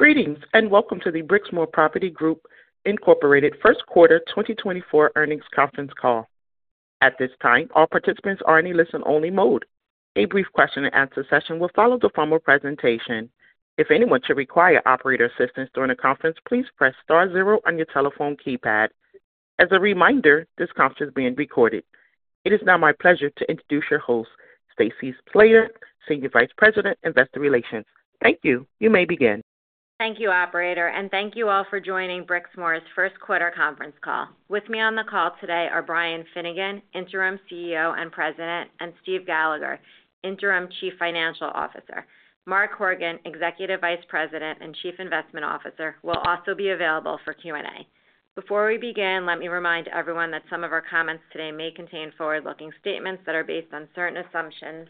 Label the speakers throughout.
Speaker 1: Greetings and welcome to the Brixmor Property Group Incorporated first quarter 2024 earnings conference call. At this time, all participants are in a listen-only mode. A brief question-and-answer session will follow the formal presentation. If anyone should require operator assistance during the conference, please press star zero on your telephone keypad. As a reminder, this conference is being recorded. It is now my pleasure to introduce your host, Senior Vice President, Investor Relations. Thank you. You may beg in.
Speaker 2: Thank you, Operator, and thank you all for joining Brixmor's first quarter conference call. With me on the call today are Brian Finnegan, Interim CEO and President, and Steve Gallagher, Interim Chief Financial Officer. Mark Horgan, Executive Vice President and Chief Investment Officer, will also be available for Q&A. Before we begin, let me remind everyone that some of our comments today may contain forward-looking statements that are based on certain assumptions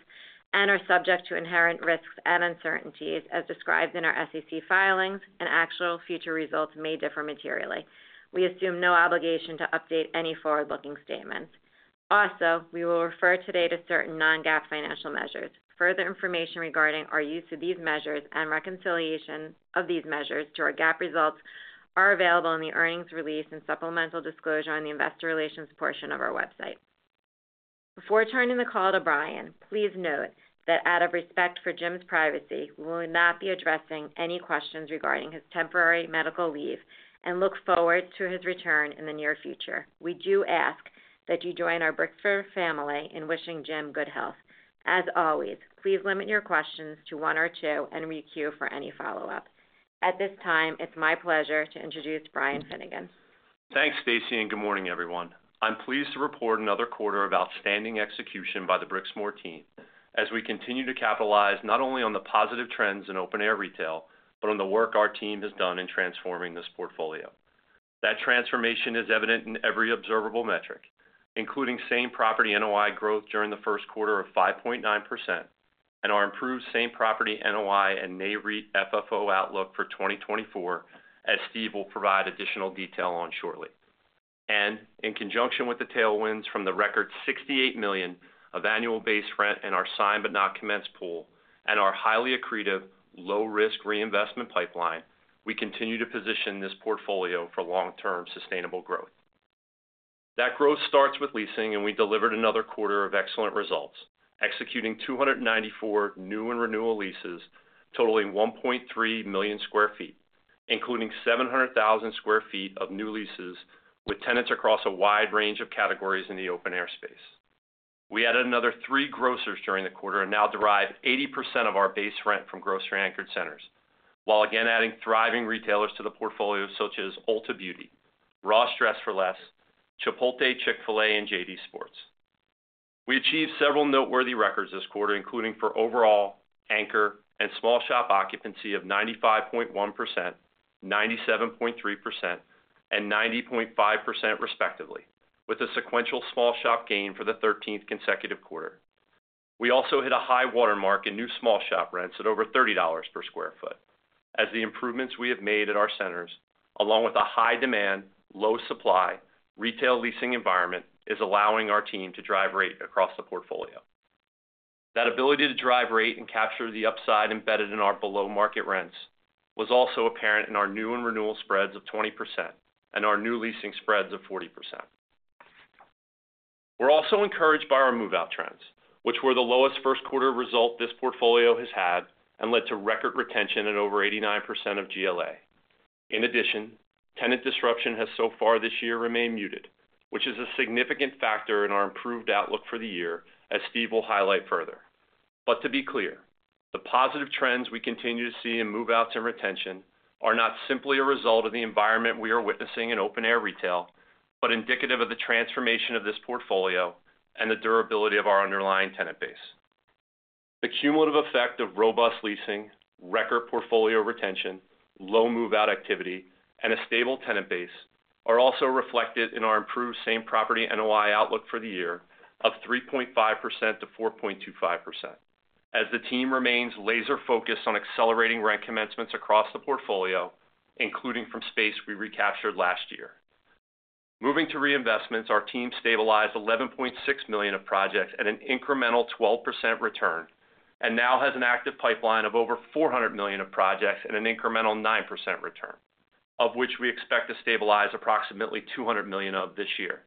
Speaker 2: and are subject to inherent risks and uncertainties as described in our SEC filings, and actual future results may differ materially. We assume no obligation to update any forward-looking statements. Also, we will refer today to certain non-GAAP financial measures. Further information regarding our use of these measures and reconciliation of these measures to our GAAP results is available in the earnings release and supplemental disclosure on the Investor Relations portion of our website. Before turning the call to Brian, please note that out of respect for Jim's privacy, we will not be addressing any questions regarding his temporary medical leave and look forward to his return in the near future. We do ask that you join our Brixmor family in wishing Jim good health. As always, please limit your questions to one or two and re-queue for any follow-up. At this time, it's my pleasure to introduce Brian Finnegan.
Speaker 3: Thanks, Stacy, and good morning, everyone. I'm pleased to report another quarter of outstanding execution by the Brixmor team as we continue to capitalize not only on the positive trends in open-air retail but on the work our team has done in transforming this portfolio. That transformation is evident in every observable metric, including same property NOI growth during the first quarter of 5.9% and our improved same property NOI and NAREIT FFO outlook for 2024, as Steve will provide additional detail on shortly. In conjunction with the tailwinds from the record $68 million of annual base rent in our sign-but-not-commenced pool and our highly accretive, low-risk reinvestment pipeline, we continue to position this portfolio for long-term sustainable growth. That growth starts with leasing, and we delivered another quarter of excellent results, executing 294 new and renewal leases totaling 1.3 million sq ft, including 700,000 sq ft of new leases with tenants across a wide range of categories in the open-air space. We added another 3 grocers during the quarter and now derive 80% of our base rent from grocery-anchored centers, while again adding thriving retailers to the portfolio such as Ulta Beauty, Ross Dress for Less, Chipotle, Chick-fil-A, and JD Sports. We achieved several noteworthy records this quarter, including for overall, anchor, and small shop occupancy of 95.1%, 97.3%, and 90.5% respectively, with a sequential small shop gain for the 13th consecutive quarter. We also hit a high watermark in new small shop rents at over $30 per sq ft, as the improvements we have made at our centers, along with a high demand, low supply, retail leasing environment, are allowing our team to drive rate across the portfolio. That ability to drive rate and capture the upside embedded in our below-market rents was also apparent in our new and renewal spreads of 20% and our new leasing spreads of 40%. We're also encouraged by our move-out trends, which were the lowest first-quarter result this portfolio has had and led to record retention at over 89% of GLA. In addition, tenant disruption has so far this year remained muted, which is a significant factor in our improved outlook for the year, as Steve will highlight further. But to be clear, the positive trends we continue to see in move-outs and retention are not simply a result of the environment we are witnessing in open-air retail but indicative of the transformation of this portfolio and the durability of our underlying tenant base. The cumulative effect of robust leasing, record portfolio retention, low move-out activity, and a stable tenant base is also reflected in our improved same property NOI outlook for the year of 3.5%-4.25%, as the team remains laser-focused on accelerating rent commencements across the portfolio, including from space we recaptured last year. Moving to reinvestments, our team stabilized $11.6 million of projects at an incremental 12% return and now has an active pipeline of over $400 million of projects at an incremental 9% return, of which we expect to stabilize approximately $200 million of this year.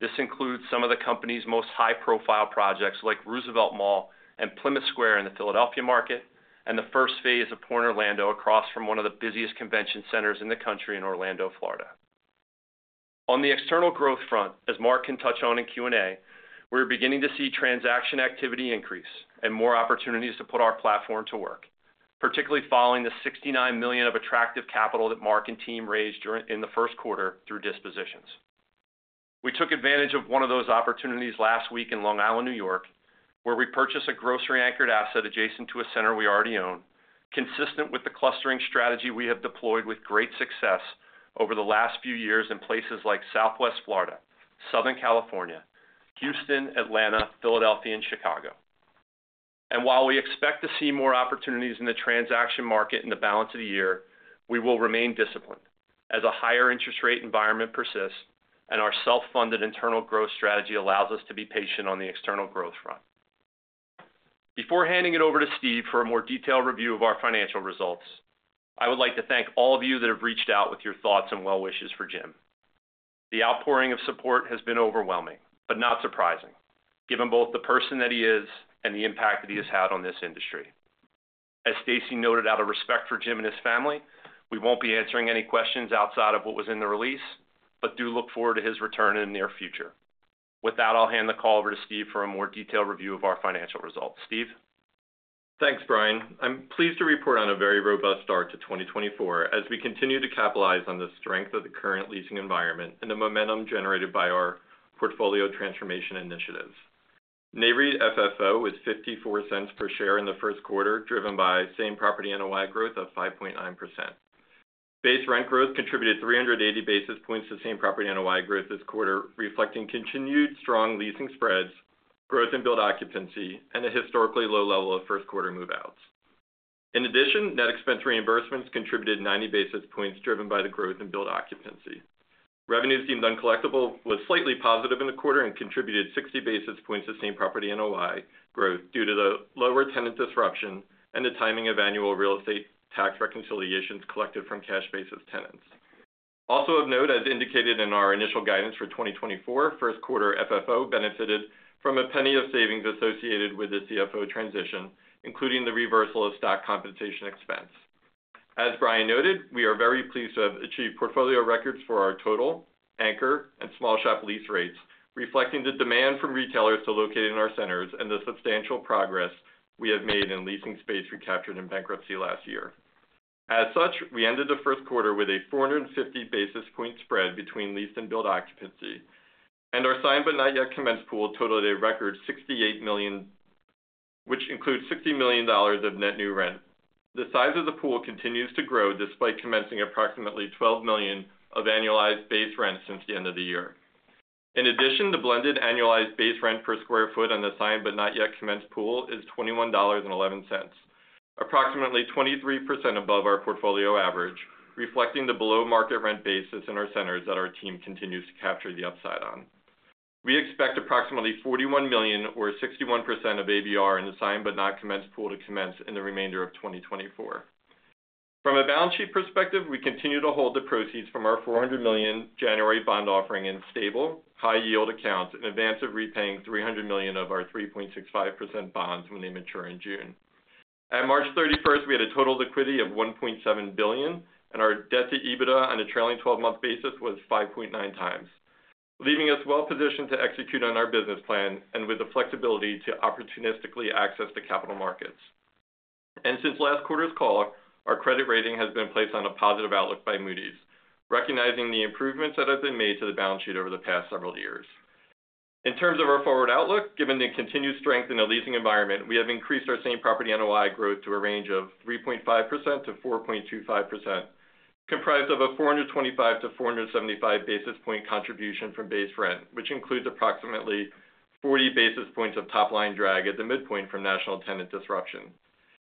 Speaker 3: This includes some of the company's most high-profile projects like Roosevelt Mall and Plymouth Square in the Philadelphia market and the first phase of Pointe Orlando across from one of the busiest convention centers in the country in Orlando, Florida. On the external growth front, as Mark can touch on in Q&A, we're beginning to see transaction activity increase and more opportunities to put our platform to work, particularly following the $69 million of attractive capital that Mark and team raised in the first quarter through dispositions. We took advantage of one of those opportunities last week in Long Island, New York, where we purchased a grocery-anchored asset adjacent to a center we already own, consistent with the clustering strategy we have deployed with great success over the last few years in places like Southwest Florida, Southern California, Houston, Atlanta, Philadelphia, and Chicago. While we expect to see more opportunities in the transaction market in the balance of the year, we will remain disciplined as a higher interest rate environment persists and our self-funded internal growth strategy allows us to be patient on the external growth front. Before handing it over to Steve for a more detailed review of our financial results, I would like to thank all of you that have reached out with your thoughts and well-wishes for Jim. The outpouring of support has been overwhelming but not surprising, given both the person that he is and the impact that he has had on this industry. As Stacy noted, out of respect for Jim and his family, we won't be answering any questions outside of what was in the release but do look forward to his return in the near future. With that, I'll hand the call over to Steve for a more detailed review of our financial results. Steve?
Speaker 4: Thanks, Brian. I'm pleased to report on a very robust start to 2024 as we continue to capitalize on the strength of the current leasing environment and the momentum generated by our portfolio transformation initiatives. NAREIT FFO was $0.54 per share in the first quarter, driven by same property NOI growth of 5.9%. Base rent growth contributed 380 basis points to same property NOI growth this quarter, reflecting continued strong leasing spreads, growth in build occupancy, and a historically low level of first-quarter move-outs. In addition, net expense reimbursements contributed 90 basis points, driven by the growth in build occupancy. Revenues deemed uncollectible were slightly positive in the quarter and contributed 60 basis points to same property NOI growth due to the lower tenant disruption and the timing of annual real estate tax reconciliations collected from cash-based tenants. Also of note, as indicated in our initial guidance for 2024, first-quarter FFO benefited from a penny of savings associated with the CFO transition, including the reversal of stock compensation expense. As Brian noted, we are very pleased to have achieved portfolio records for our total, anchor, and small shop lease rates, reflecting the demand from retailers to locate in our centers and the substantial progress we have made in leasing space recaptured in bankruptcy last year. As such, we ended the first quarter with a 450 basis points spread between leased and build occupancy, and our sign-but-not-yet-commenced pool totaled a record $68 million, which includes $60 million of net new rent. The size of the pool continues to grow despite commencing approximately $12 million of annualized base rent since the end of the year. In addition, the blended annualized base rent per sq ft on the sign-but-not-yet-commenced pool is $21.11, approximately 23% above our portfolio average, reflecting the below-market rent basis in our centers that our team continues to capture the upside on. We expect approximately $41 million or 61% of ABR in the sign-but-not-commenced pool to commence in the remainder of 2024. From a balance sheet perspective, we continue to hold the proceeds from our $400 million January bond offering in stable, high-yield accounts in advance of repaying $300 million of our 3.65% bonds when they mature in June. At March 31st, we had a total liquidity of $1.7 billion, and our debt to EBITDA on a trailing 12-month basis was 5.9x, leaving us well-positioned to execute on our business plan and with the flexibility to opportunistically access the capital markets. Since last quarter's call, our credit rating has been placed on a positive outlook by Moody's, recognizing the improvements that have been made to the balance sheet over the past several years. In terms of our forward outlook, given the continued strength in the leasing environment, we have increased our same property NOI growth to a range of 3.5%-4.25%, comprised of a 425-475 basis point contribution from base rent, which includes approximately 40 basis points of top-line drag at the midpoint from national tenant disruption,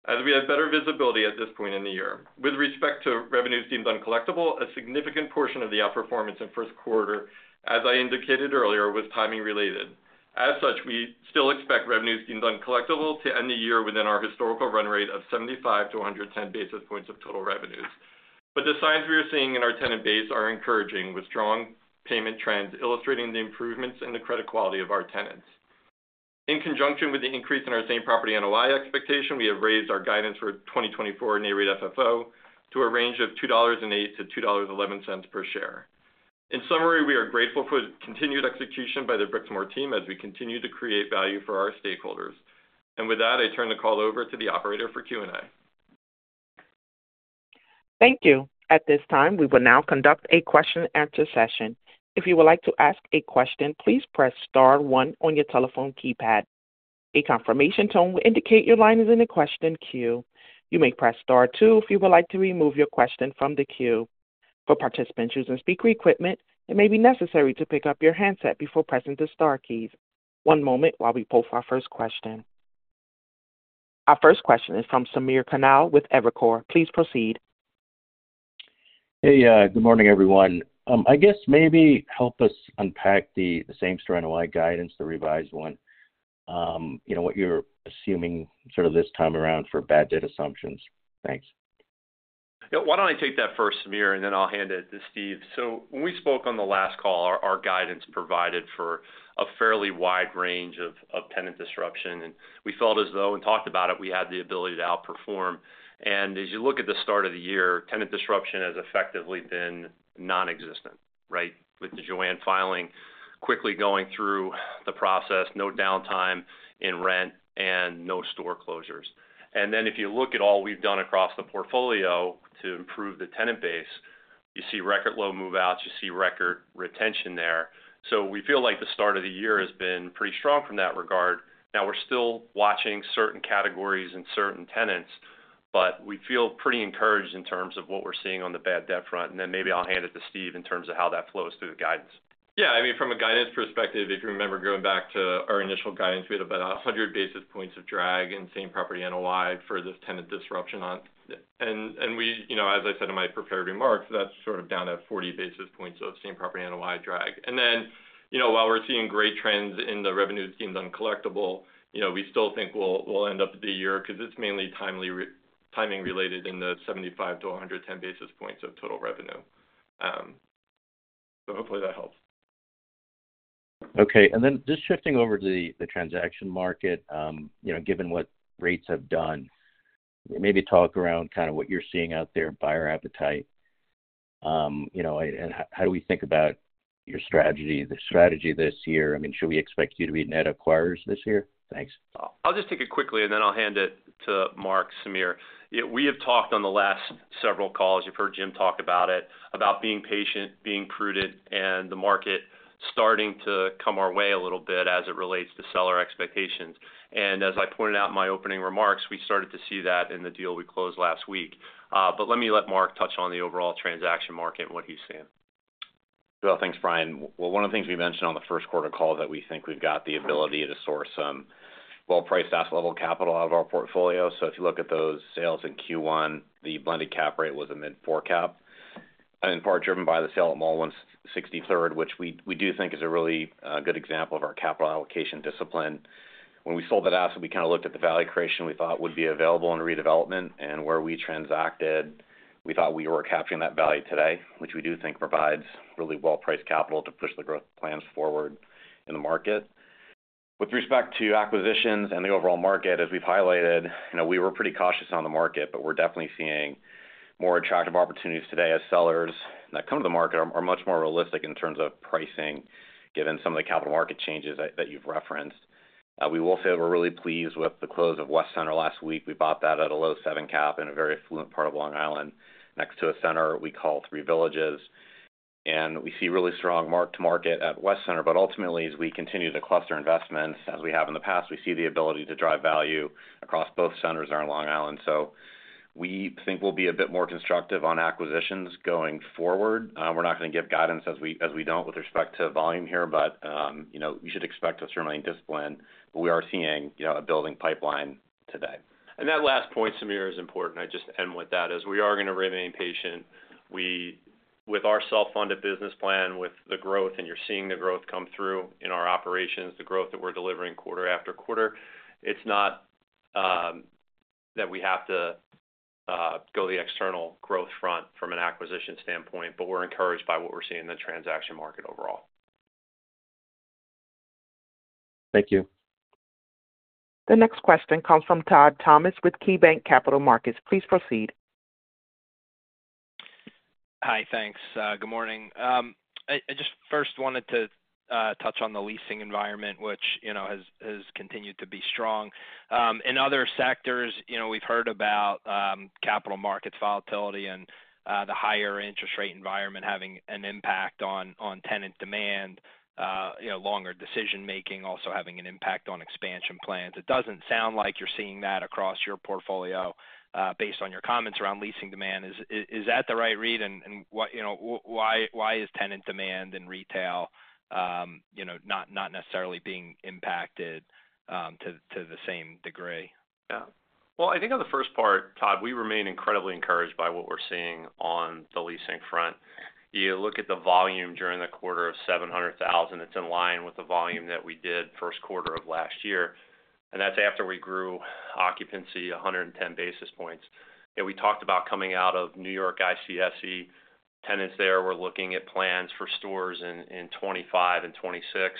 Speaker 4: as we have better visibility at this point in the year. With respect to revenues deemed uncollectible, a significant portion of the outperformance in first quarter, as I indicated earlier, was timing-related. As such, we still expect revenues deemed uncollectible to end the year within our historical run rate of 75-110 basis points of total revenues. But the signs we are seeing in our tenant base are encouraging, with strong payment trends illustrating the improvements in the credit quality of our tenants. In conjunction with the increase in our same property NOI expectation, we have raised our guidance for 2024 NAREIT FFO to a range of $2.08-$2.11 per share. In summary, we are grateful for continued execution by the Brixmor team as we continue to create value for our stakeholders. And with that, I turn the call over to the operator for Q&A.
Speaker 1: Thank you. At this time, we will now conduct a question-and-answer session. If you would like to ask a question, please press star 1 on your telephone keypad. A confirmation tone will indicate your line is in the question queue. You may press star 2 if you would like to remove your question from the queue. For participants using speaker equipment, it may be necessary to pick up your handset before pressing the star keys. One moment while we pull for our first question. Our first question is from Samir Khanal with Evercore. Please proceed.
Speaker 5: Hey. Good morning, everyone. I guess maybe help us unpack the same store NOI guidance, the revised one, what you're assuming sort of this time around for bad debt assumptions? Thanks.
Speaker 3: Yeah. Why don't I take that first, Samir, and then I'll hand it to Steve. So when we spoke on the last call, our guidance provided for a fairly wide range of tenant disruption, and we felt as though, and talked about it, we had the ability to outperform. And as you look at the start of the year, tenant disruption has effectively been nonexistent, right, with the Joann filing, quickly going through the process, no downtime in rent, and no store closures. And then if you look at all we've done across the portfolio to improve the tenant base, you see record low move-outs. You see record retention there. So we feel like the start of the year has been pretty strong from that regard. Now, we're still watching certain categories and certain tenants, but we feel pretty encouraged in terms of what we're seeing on the bad debt front. And then maybe I'll hand it to Steve in terms of how that flows through the guidance.
Speaker 4: Yeah. I mean, from a guidance perspective, if you remember going back to our initial guidance, we had about 100 basis points of drag in Same Property NOI for this tenant disruption. And as I said in my prepared remarks, that's sort of down at 40 basis points of Same Property NOI drag. And then while we're seeing great trends in the revenues deemed uncollectible, we still think we'll end up at the year because it's mainly timing-related in the 75-110 basis points of total revenue. So hopefully, that helps.
Speaker 5: Okay. And then just shifting over to the transaction market, given what rates have done, maybe talk around kind of what you're seeing out there, buyer appetite, and how do we think about your strategy this year? I mean, should we expect you to be net acquirers this year? Thanks.
Speaker 3: I'll just take it quickly, and then I'll hand it to Mark, Samir. We have talked on the last several calls—you've heard Jim talk about it—about being patient, being prudent, and the market starting to come our way a little bit as it relates to seller expectations. As I pointed out in my opening remarks, we started to see that in the deal we closed last week. Let me let Mark touch on the overall transaction market and what he's seeing.
Speaker 6: Well, thanks, Brian. Well, one of the things we mentioned on the first quarter call is that we think we've got the ability to source some well-priced asset-level capital out of our portfolio. So if you look at those sales in Q1, the blended cap rate was a mid-four cap and in part driven by the sale at Mall 163rd, which we do think is a really good example of our capital allocation discipline. When we sold that asset, we kind of looked at the value creation we thought would be available in redevelopment, and where we transacted, we thought we were capturing that value today, which we do think provides really well-priced capital to push the growth plans forward in the market. With respect to acquisitions and the overall market, as we've highlighted, we were pretty cautious on the market, but we're definitely seeing more attractive opportunities today as sellers that come to the market are much more realistic in terms of pricing, given some of the capital market changes that you've referenced. We will say that we're really pleased with the close of West Center last week. We bought that at a low seven cap in a very affluent part of Long Island, next to a center we call Three Villages. And we see really strong mark-to-market at West Center. But ultimately, as we continue to cluster investments as we have in the past, we see the ability to drive value across both centers there on Long Island. So we think we'll be a bit more constructive on acquisitions going forward. We're not going to give guidance as we don't with respect to volume here, but you should expect us to remain disciplined. But we are seeing a building pipeline today.
Speaker 3: That last point, Samir, is important. I just end with that, is we are going to remain patient. With our self-funded business plan, with the growth, and you're seeing the growth come through in our operations, the growth that we're delivering quarter after quarter, it's not that we have to go the external growth front from an acquisition standpoint, but we're encouraged by what we're seeing in the transaction market overall.
Speaker 5: Thank you.
Speaker 1: The next question comes from Todd Thomas with KeyBanc Capital Markets. Please proceed.
Speaker 7: Hi. Thanks. Good morning. I just first wanted to touch on the leasing environment, which has continued to be strong. In other sectors, we've heard about capital markets volatility and the higher interest rate environment having an impact on tenant demand, longer decision-making also having an impact on expansion plans. It doesn't sound like you're seeing that across your portfolio based on your comments around leasing demand. Is that the right read? And why is tenant demand and retail not necessarily being impacted to the same degree?
Speaker 3: Yeah. Well, I think on the first part, Todd, we remain incredibly encouraged by what we're seeing on the leasing front. You look at the volume during the quarter of 700,000. It's in line with the volume that we did first quarter of last year. And that's after we grew occupancy 110 basis points. We talked about coming out of New York ICSC. Tenants there were looking at plans for stores in 2025 and 2026.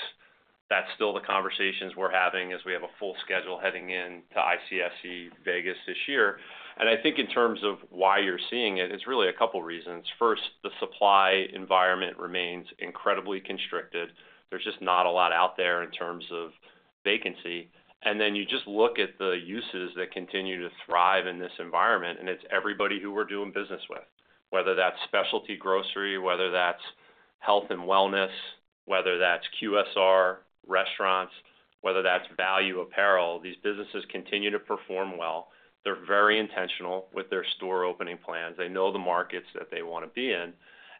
Speaker 3: That's still the conversations we're having as we have a full schedule heading into ICSC Vegas this year. And I think in terms of why you're seeing it, it's really a couple of reasons. First, the supply environment remains incredibly constricted. There's just not a lot out there in terms of vacancy. You just look at the uses that continue to thrive in this environment, and it's everybody who we're doing business with, whether that's specialty grocery, whether that's health and wellness, whether that's QSR restaurants, whether that's value apparel. These businesses continue to perform well. They're very intentional with their store opening plans. They know the markets that they want to be in,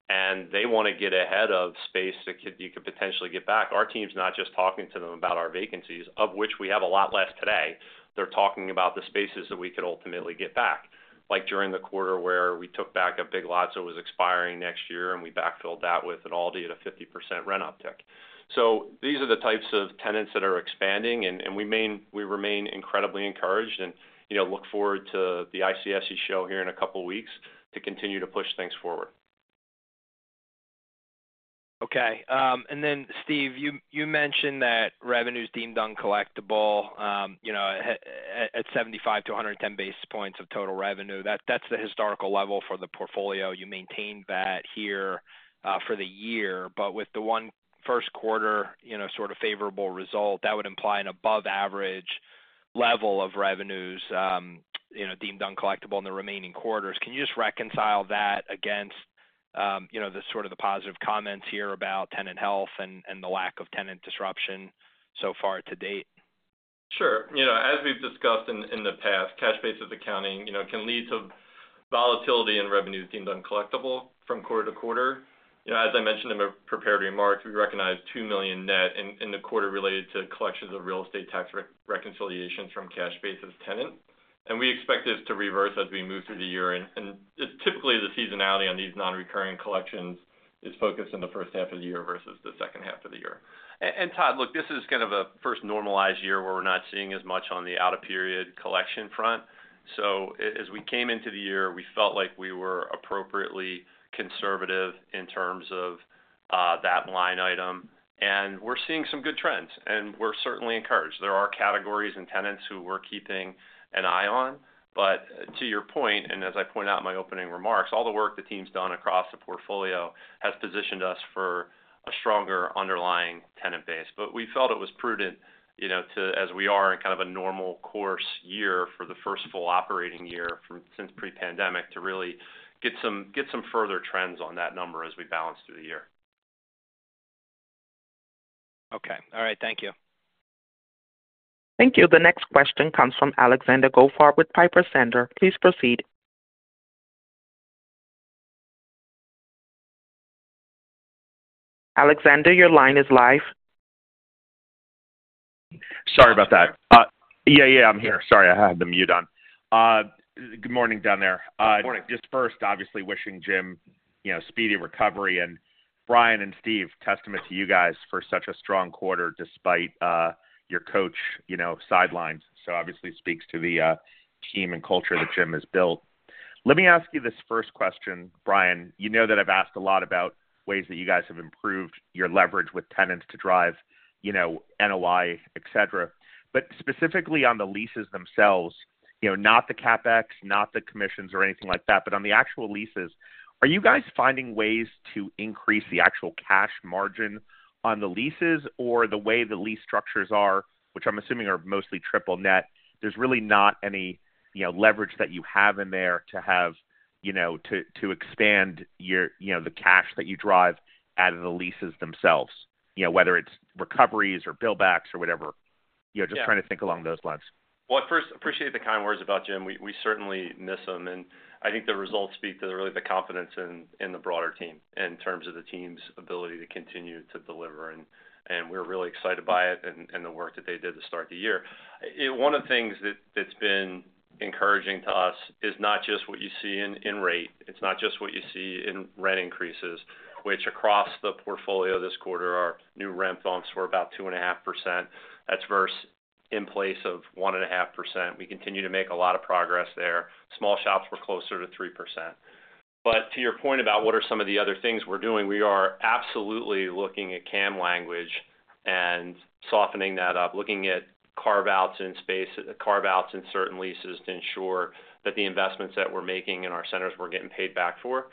Speaker 3: and they want to get ahead of space that you could potentially get back. Our team's not just talking to them about our vacancies, of which we have a lot less today. They're talking about the spaces that we could ultimately get back, like during the quarter where we took back a Big Lots that was expiring next year, and we backfilled that with an Aldi at a 50% rent uptick. These are the types of tenants that are expanding, and we remain incredibly encouraged and look forward to the ICSC show here in a couple of weeks to continue to push things forward.
Speaker 8: Okay. And then, Steve, you mentioned that revenues deemed uncollectible at 75-110 basis points of total revenue. That's the historical level for the portfolio. You maintained that here for the year. But with the one first quarter sort of favorable result, that would imply an above-average level of revenues deemed uncollectible in the remaining quarters. Can you just reconcile that against sort of the positive comments here about tenant health and the lack of tenant disruption so far to date?
Speaker 4: Sure. As we've discussed in the past, cash-basis accounting can lead to volatility in revenues deemed uncollectible from quarter to quarter. As I mentioned in my prepared remarks, we recognize $2 million net in the quarter related to collections of real estate tax reconciliations from cash-basis tenant. And we expect this to reverse as we move through the year. And typically, the seasonality on these non-recurring collections is focused in the first half of the year versus the second half of the year.
Speaker 3: Todd, look, this is kind of a first normalized year where we're not seeing as much on the out-of-period collection front. So as we came into the year, we felt like we were appropriately conservative in terms of that line item. And we're seeing some good trends, and we're certainly encouraged. There are categories and tenants who we're keeping an eye on. But to your point, and as I point out in my opening remarks, all the work the team's done across the portfolio has positioned us for a stronger underlying tenant base. But we felt it was prudent to, as we are in kind of a normal course year for the first full operating year since pre-pandemic, to really get some further trends on that number as we balance through the year. Okay. All right. Thank you.
Speaker 1: Thank you. The next question comes from Alexander Goldfarb with Piper Sandler. Please proceed. Alexander, your line is live.
Speaker 9: Sorry about that. Yeah, yeah, I'm here. Sorry, I had the mute on. Good morning down there.
Speaker 3: Good morning.
Speaker 9: Just first, obviously, wishing Jim speedy recovery. And Brian and Steve, testament to you guys for such a strong quarter despite your coach sidelines, so obviously speaks to the team and culture that Jim has built. Let me ask you this first question, Brian. You know that I've asked a lot about ways that you guys have improved your leverage with tenants to drive NOI, etc. But specifically on the leases themselves, not the CapEx, not the commissions or anything like that, but on the actual leases, are you guys finding ways to increase the actual cash margin on the leases or the way the lease structures are, which I'm assuming are mostly triple net? There's really not any leverage that you have in there to expand the cash that you drive out of the leases themselves, whether it's recoveries or billbacks or whatever, just trying to think along those lines.
Speaker 4: Well, first, appreciate the kind words about Jim. We certainly miss him. And I think the results speak to really the confidence in the broader team in terms of the team's ability to continue to deliver. And we're really excited by it and the work that they did to start the year. One of the things that's been encouraging to us is not just what you see in rate. It's not just what you see in rent increases, which across the portfolio this quarter, our new rent bumps were about 2.5%. That's versus in place of 1.5%. We continue to make a lot of progress there. Small shops were closer to 3%. But to your point about what are some of the other things we're doing, we are absolutely looking at CAM language and softening that up, looking at carve-outs in certain leases to ensure that the investments that we're making in our centers were getting paid back for.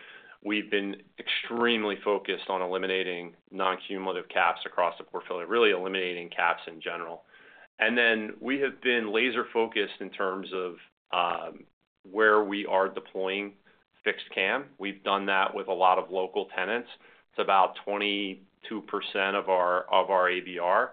Speaker 4: We've been extremely focused on eliminating non-cumulative caps across the portfolio, really eliminating caps in general. And then we have been laser-focused in terms of where we are deploying fixed CAM. We've done that with a lot of local tenants. It's about 22% of our ABR.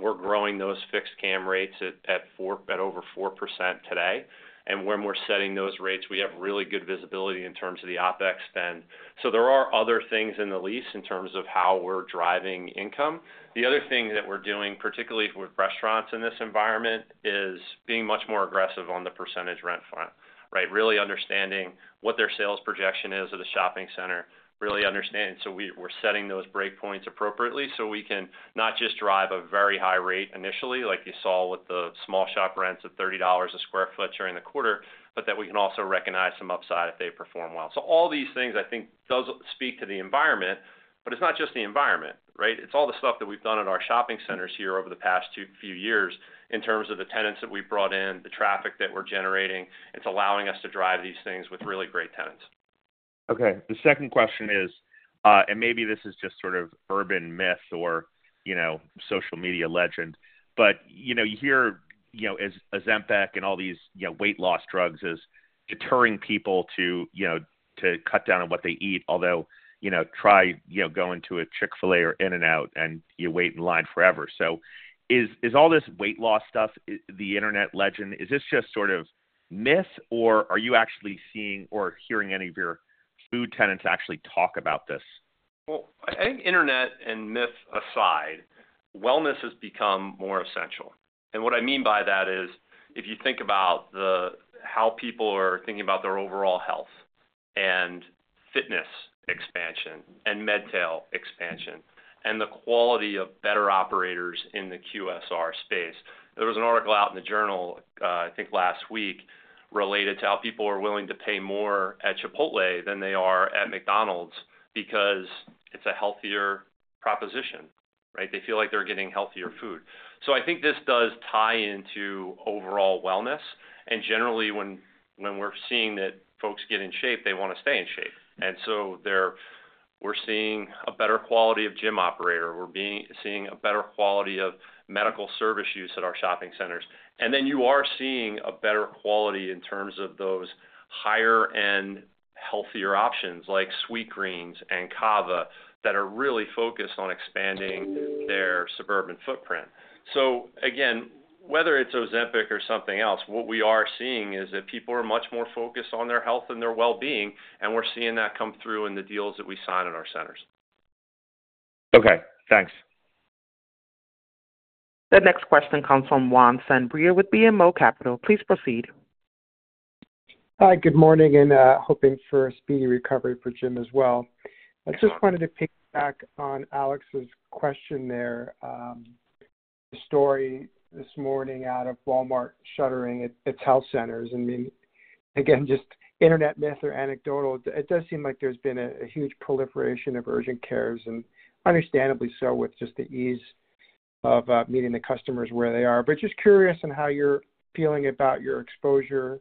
Speaker 4: We're growing those fixed CAM rates at over 4% today. And when we're setting those rates, we have really good visibility in terms of the OpEx spend. So there are other things in the lease in terms of how we're driving income. The other thing that we're doing, particularly with restaurants in this environment, is being much more aggressive on the percentage rent front, right, really understanding what their sales projection is at a shopping center, really understanding. So we're setting those breakpoints appropriately so we can not just drive a very high rate initially, like you saw with the small shop rents of $30/sq ft during the quarter, but that we can also recognize some upside if they perform well. So all these things, I think, do speak to the environment. But it's not just the environment, right? It's all the stuff that we've done at our shopping centers here over the past few years in terms of the tenants that we've brought in, the traffic that we're generating. It's allowing us to drive these things with really great tenants.
Speaker 9: Okay. The second question is, and maybe this is just sort of urban myth or social media legend, but you hear Ozempic and all these weight loss drugs as deterring people to cut down on what they eat, although try going to a Chick-fil-A or In-N-Out and you wait in line forever. So is all this weight loss stuff the internet legend? Is this just sort of myth, or are you actually seeing or hearing any of your food tenants actually talk about this?
Speaker 4: Well, I think internet and myth aside, wellness has become more essential. And what I mean by that is if you think about how people are thinking about their overall health and fitness expansion and MedTail expansion and the quality of better operators in the QSR space, there was an article out in the journal, I think, last week related to how people are willing to pay more at Chipotle than they are at McDonald's because it's a healthier proposition, right? They feel like they're getting healthier food. So I think this does tie into overall wellness. And generally, when we're seeing that folks get in shape, they want to stay in shape. And so we're seeing a better quality of gym operator. We're seeing a better quality of medical service use at our shopping centers. And then you are seeing a better quality in terms of those higher-end, healthier options like Sweetgreen and Cava that are really focused on expanding their suburban footprint. So again, whether it's Ozempic or something else, what we are seeing is that people are much more focused on their health and their well-being. We're seeing that come through in the deals that we sign in our centers.
Speaker 9: Okay. Thanks.
Speaker 1: The next question comes from Juan Sanabria with BMO Capital. Please proceed.
Speaker 10: Hi. Good morning. And hoping for speedy recovery for Jim as well. I just wanted to piggyback on Alex's question there, the story this morning out of Walmart shuttering its health centers. I mean, again, just internet myth or anecdotal, it does seem like there's been a huge proliferation of urgent cares, and understandably so with just the ease of meeting the customers where they are. But just curious on how you're feeling about your exposure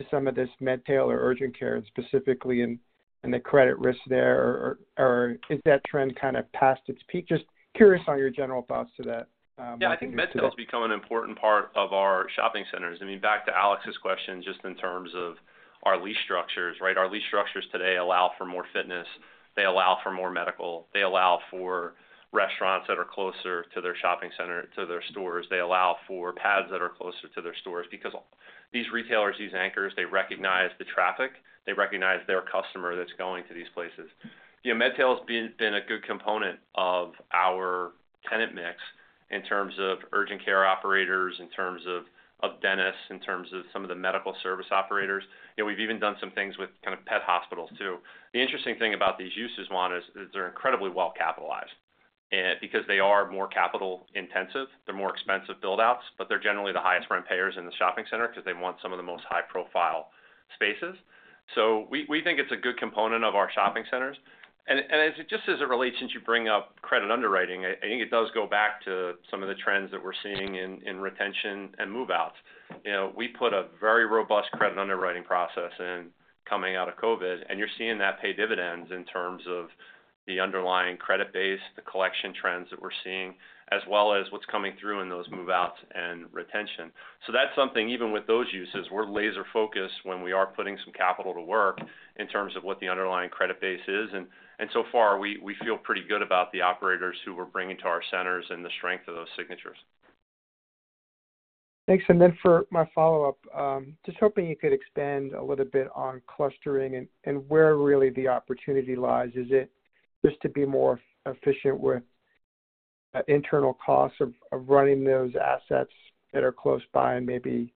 Speaker 10: to some of this MedTail or urgent care, and specifically in the credit risk there, or is that trend kind of past its peak? Just curious on your general thoughts to that.
Speaker 4: Yeah. I think MedTail's become an important part of our shopping centers. I mean, back to Alex's question just in terms of our lease structures, right? Our lease structures today allow for more fitness. They allow for more medical. They allow for restaurants that are closer to their shopping center, to their stores. They allow for pads that are closer to their stores because these retailers, these anchors, they recognize the traffic. They recognize their customer that's going to these places. MedTail's been a good component of our tenant mix in terms of urgent care operators, in terms of dentists, in terms of some of the medical service operators. We've even done some things with kind of pet hospitals too. The interesting thing about these uses, Juan, is they're incredibly well-capitalized because they are more capital-intensive. They're more expensive buildouts, but they're generally the highest rent payers in the shopping center because they want some of the most high-profile spaces. So we think it's a good component of our shopping centers. And just as it relates since you bring up credit underwriting, I think it does go back to some of the trends that we're seeing in retention and move-outs. We put a very robust credit underwriting process in coming out of COVID, and you're seeing that pay dividends in terms of the underlying credit base, the collection trends that we're seeing, as well as what's coming through in those move-outs and retention. So that's something even with those uses, we're laser-focused when we are putting some capital to work in terms of what the underlying credit base is. So far, we feel pretty good about the operators who we're bringing to our centers and the strength of those signatures.
Speaker 10: Thanks. And then for my follow-up, just hoping you could expand a little bit on clustering and where really the opportunity lies. Is it just to be more efficient with internal costs of running those assets that are close by and maybe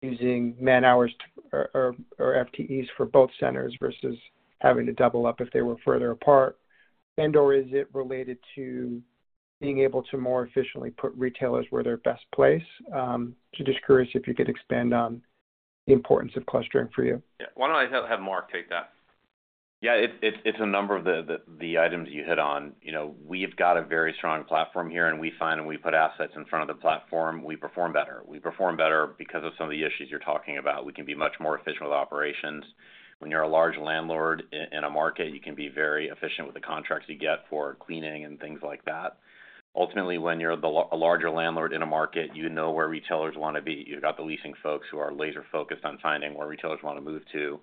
Speaker 10: using man-hours or FTEs for both centers versus having to double up if they were further apart? and or is it related to being able to more efficiently put retailers where they're best placed? Just curious if you could expand on the importance of clustering for you.
Speaker 4: Yeah. Why don't I have Mark take that?
Speaker 6: Yeah. It's a number of the items you hit on. We've got a very strong platform here, and we find when we put assets in front of the platform, we perform better. We perform better because of some of the issues you're talking about. We can be much more efficient with operations. When you're a large landlord in a market, you can be very efficient with the contracts you get for cleaning and things like that. Ultimately, when you're a larger landlord in a market, you know where retailers want to be. You've got the leasing folks who are laser-focused on finding where retailers want to move to.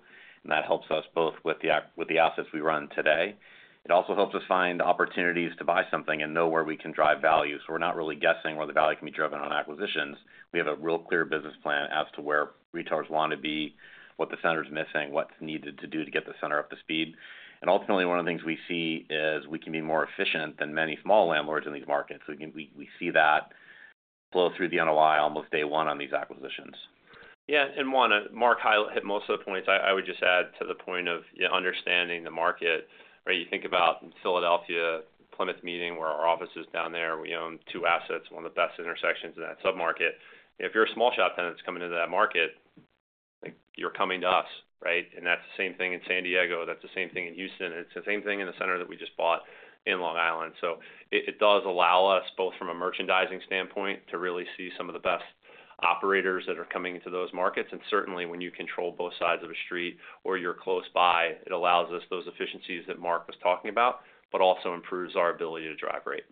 Speaker 6: That helps us both with the assets we run today. It also helps us find opportunities to buy something and know where we can drive value. We're not really guessing where the value can be driven on acquisitions. We have a real clear business plan as to where retailers want to be, what the center's missing, what's needed to do to get the center up to speed. Ultimately, one of the things we see is we can be more efficient than many small landlords in these markets. We see that flow through the NOI almost day one on these acquisitions.
Speaker 4: Yeah. And Juan, Mark hit most of the points. I would just add to the point of understanding the market, right? You think about Philadelphia, Plymouth Meeting where our office is down there. We own two assets, one of the best intersections in that submarket. If you're a small shop tenant that's coming into that market, you're coming to us, right? And that's the same thing in San Diego. That's the same thing in Houston. And it's the same thing in the center that we just bought in Long Island. So it does allow us both from a merchandising standpoint to really see some of the best operators that are coming into those markets. And certainly, when you control both sides of a street or you're close by, it allows us those efficiencies that Mark was talking about, but also improves our ability to drive rate.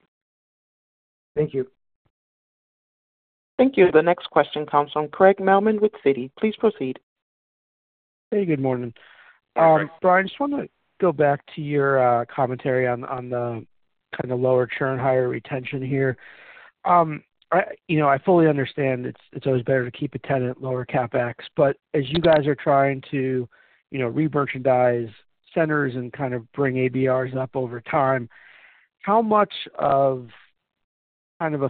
Speaker 10: Thank you.
Speaker 1: Thank you. The next question comes from Craig Melman with Citi. Please proceed.
Speaker 11: Hey. Good morning. Brian, just want to go back to your commentary on the kind of lower churn, higher retention here. I fully understand it's always better to keep a tenant, lower CapEx. But as you guys are trying to re-merchandise centers and kind of bring ABRs up over time, how much of kind of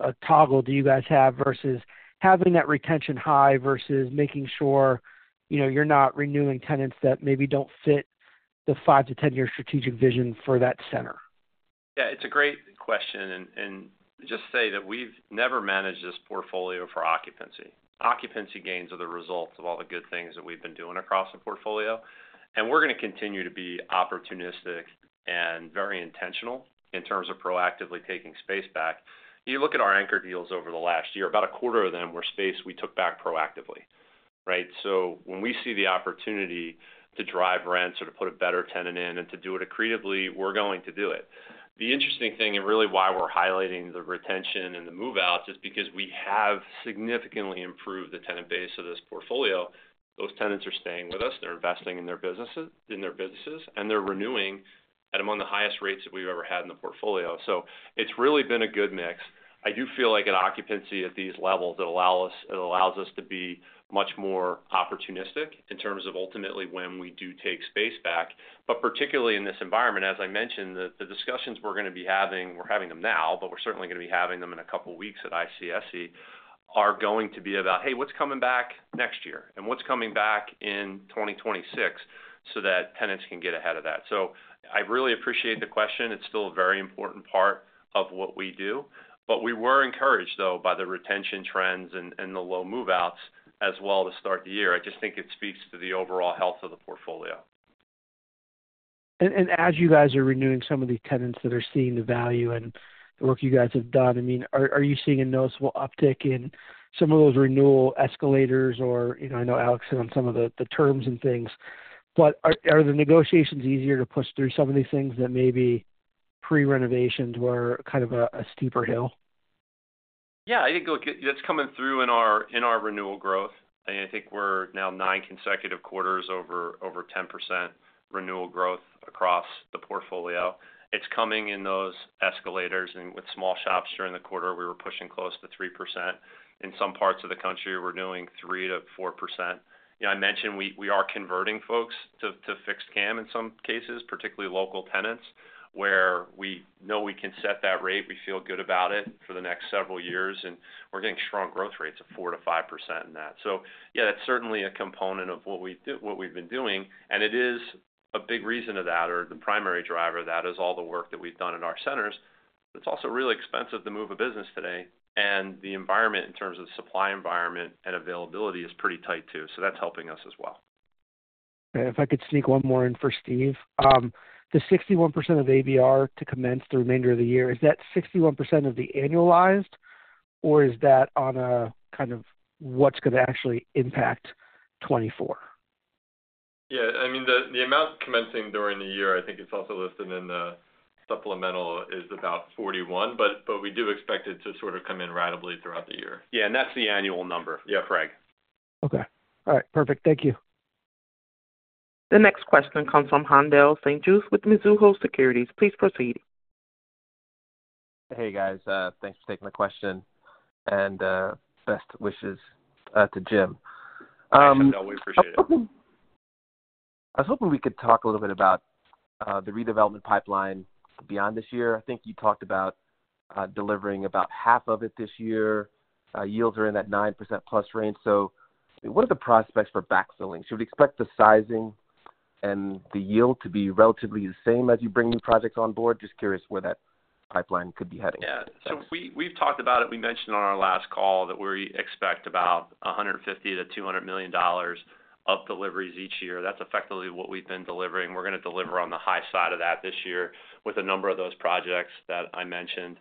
Speaker 11: a toggle do you guys have versus having that retention high versus making sure you're not renewing tenants that maybe don't fit the five-ten years strategic vision for that center?
Speaker 3: Yeah. It's a great question. And just say that we've never managed this portfolio for occupancy. Occupancy gains are the results of all the good things that we've been doing across the portfolio. And we're going to continue to be opportunistic and very intentional in terms of proactively taking space back. You look at our anchor deals over the last year, about a quarter of them were space we took back proactively, right? So when we see the opportunity to drive rents or to put a better tenant in and to do it accretively, we're going to do it. The interesting thing, and really why we're highlighting the retention and the move-outs, is because we have significantly improved the tenant base of this portfolio. Those tenants are staying with us. They're investing in their businesses, and they're renewing at among the highest rates that we've ever had in the portfolio. So it's really been a good mix. I do feel like at occupancy at these levels, it allows us to be much more opportunistic in terms of ultimately when we do take space back. But particularly in this environment, as I mentioned, the discussions we're going to be having. We're having them now, but we're certainly going to be having them in a couple of weeks at ICSC are going to be about, "Hey, what's coming back next year? And what's coming back in 2026 so that tenants can get ahead of that?" So I really appreciate the question. It's still a very important part of what we do. But we were encouraged, though, by the retention trends and the low move-outs as well to start the year. I just think it speaks to the overall health of the portfolio.
Speaker 10: As you guys are renewing some of these tenants that are seeing the value and the work you guys have done, I mean, are you seeing a noticeable uptick in some of those renewal escalators? Or I know Alex hit on some of the terms and things. But are the negotiations easier to push through some of these things that maybe pre-renovations were kind of a steeper hill?
Speaker 4: Yeah. I think that's coming through in our renewal growth. I think we're now nine consecutive quarters over 10% renewal growth across the portfolio. It's coming in those escalators. And with small shops during the quarter, we were pushing close to 3%. In some parts of the country, we're doing 3%-4%. I mentioned we are converting folks to fixed cam in some cases, particularly local tenants, where we know we can set that rate. We feel good about it for the next several years. And we're getting strong growth rates of 4%-5% in that. So yeah, that's certainly a component of what we've been doing. And it is a big reason of that or the primary driver of that is all the work that we've done in our centers. But it's also really expensive to move a business today. The environment in terms of the supply environment and availability is pretty tight too. That's helping us as well.
Speaker 12: If I could sneak one more in for Steve. The 61% of ABR to commence the remainder of the year, is that 61% of the annualized, or is that on a kind of what's going to actually impact 2024?
Speaker 4: Yeah. I mean, the amount commencing during the year, I think it's also listed in the supplemental, is about 41. But we do expect it to sort of come in gradually throughout the year.
Speaker 6: Yeah. And that's the annual number, Craig.
Speaker 10: Okay. All right. Perfect. Thank you.
Speaker 1: The next question comes from Haendel St. Juste with Mizuho Securities. Please proceed.
Speaker 13: Hey, guys. Thanks for taking the question. Best wishes to Jim.
Speaker 4: Yeah. No, we appreciate it.
Speaker 13: I was hoping we could talk a little bit about the redevelopment pipeline beyond this year. I think you talked about delivering about half of it this year. Yields are in that 9%+ range. So what are the prospects for backfilling? Should we expect the sizing and the yield to be relatively the same as you bring new projects on board? Just curious where that pipeline could be heading.
Speaker 4: Yeah. So we've talked about it. We mentioned on our last call that we expect about $150 million-$200 million of deliveries each year. That's effectively what we've been delivering. We're going to deliver on the high side of that this year with a number of those projects that I mentioned.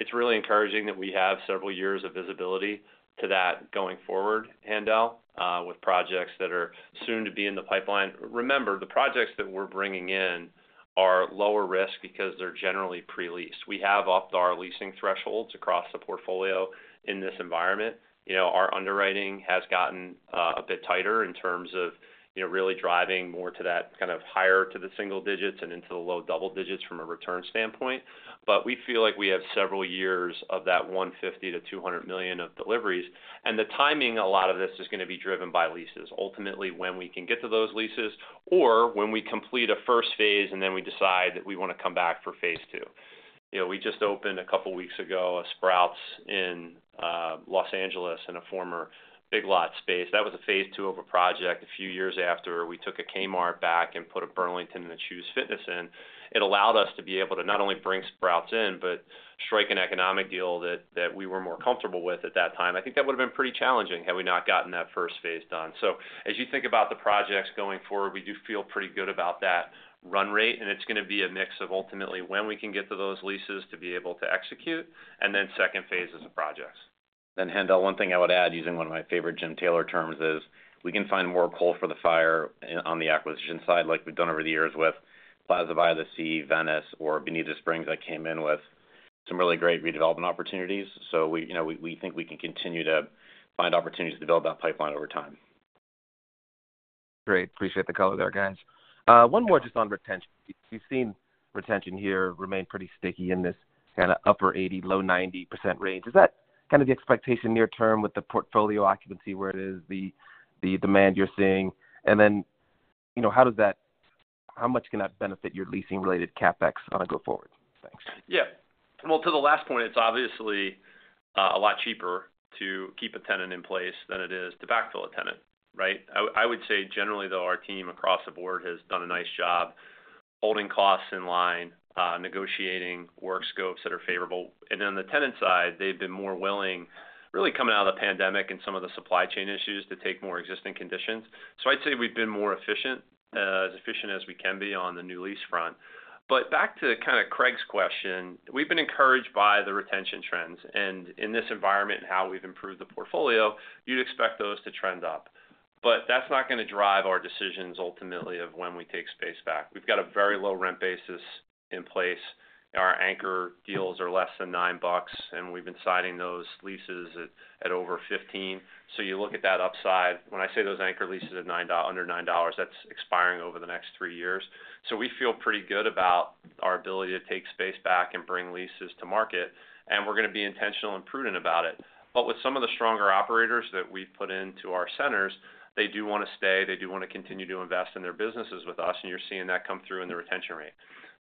Speaker 4: It's really encouraging that we have several years of visibility to that going forward, Haendel, with projects that are soon to be in the pipeline. Remember, the projects that we're bringing in are lower risk because they're generally pre-leased. We have upped our leasing thresholds across the portfolio in this environment. Our underwriting has gotten a bit tighter in terms of really driving more to that kind of higher to the single digits and into the low double digits from a return standpoint. But we feel like we have several years of that $150 million-$200 million of deliveries. And the timing, a lot of this is going to be driven by leases, ultimately when we can get to those leases or when we complete a first phase and then we decide that we want to come back for phase two. We just opened a couple of weeks ago a Sprouts in Los Angeles in a former Big Lots space. That was a phase two of a project a few years after we took a Kmart back and put a Burlington and a Chuze Fitness in. It allowed us to be able to not only bring Sprouts in but strike an economic deal that we were more comfortable with at that time. I think that would have been pretty challenging had we not gotten that first phase done. As you think about the projects going forward, we do feel pretty good about that run rate. It's going to be a mix of ultimately when we can get to those leases to be able to execute and then second phases of projects.
Speaker 9: Then, Haendel, one thing I would add using one of my favorite Jim Taylor terms is we can find more coal for the fire on the acquisition side like we've done over the years with Plaza by the Sea, Venice, or Beneath the Springs that came in with some really great redevelopment opportunities. So we think we can continue to find opportunities to build that pipeline over time.
Speaker 13: Great. Appreciate the color there, guys. One more just on retention. You've seen retention here remain pretty sticky in this kind of upper 80%, low 90% range. Is that kind of the expectation near-term with the portfolio occupancy where it is the demand you're seeing? And then how much can that benefit your leasing-related CapEx on a go forward? Thanks.
Speaker 4: Yeah. Well, to the last point, it's obviously a lot cheaper to keep a tenant in place than it is to backfill a tenant, right? I would say generally, though, our team across the board has done a nice job holding costs in line, negotiating work scopes that are favorable. And on the tenant side, they've been more willing, really coming out of the pandemic and some of the supply chain issues, to take more existing conditions. So I'd say we've been more efficient, as efficient as we can be on the new lease front. But back to kind of Craig's question, we've been encouraged by the retention trends. And in this environment and how we've improved the portfolio, you'd expect those to trend up. But that's not going to drive our decisions ultimately of when we take space back. We've got a very low rent basis in place. Our anchor deals are less than $9. We've been signing those leases at over $15. You look at that upside. When I say those anchor leases under $9, that's expiring over the next 3 years. We feel pretty good about our ability to take space back and bring leases to market. We're going to be intentional and prudent about it. But with some of the stronger operators that we've put into our centers, they do want to stay. They do want to continue to invest in their businesses with us. You're seeing that come through in the retention rate.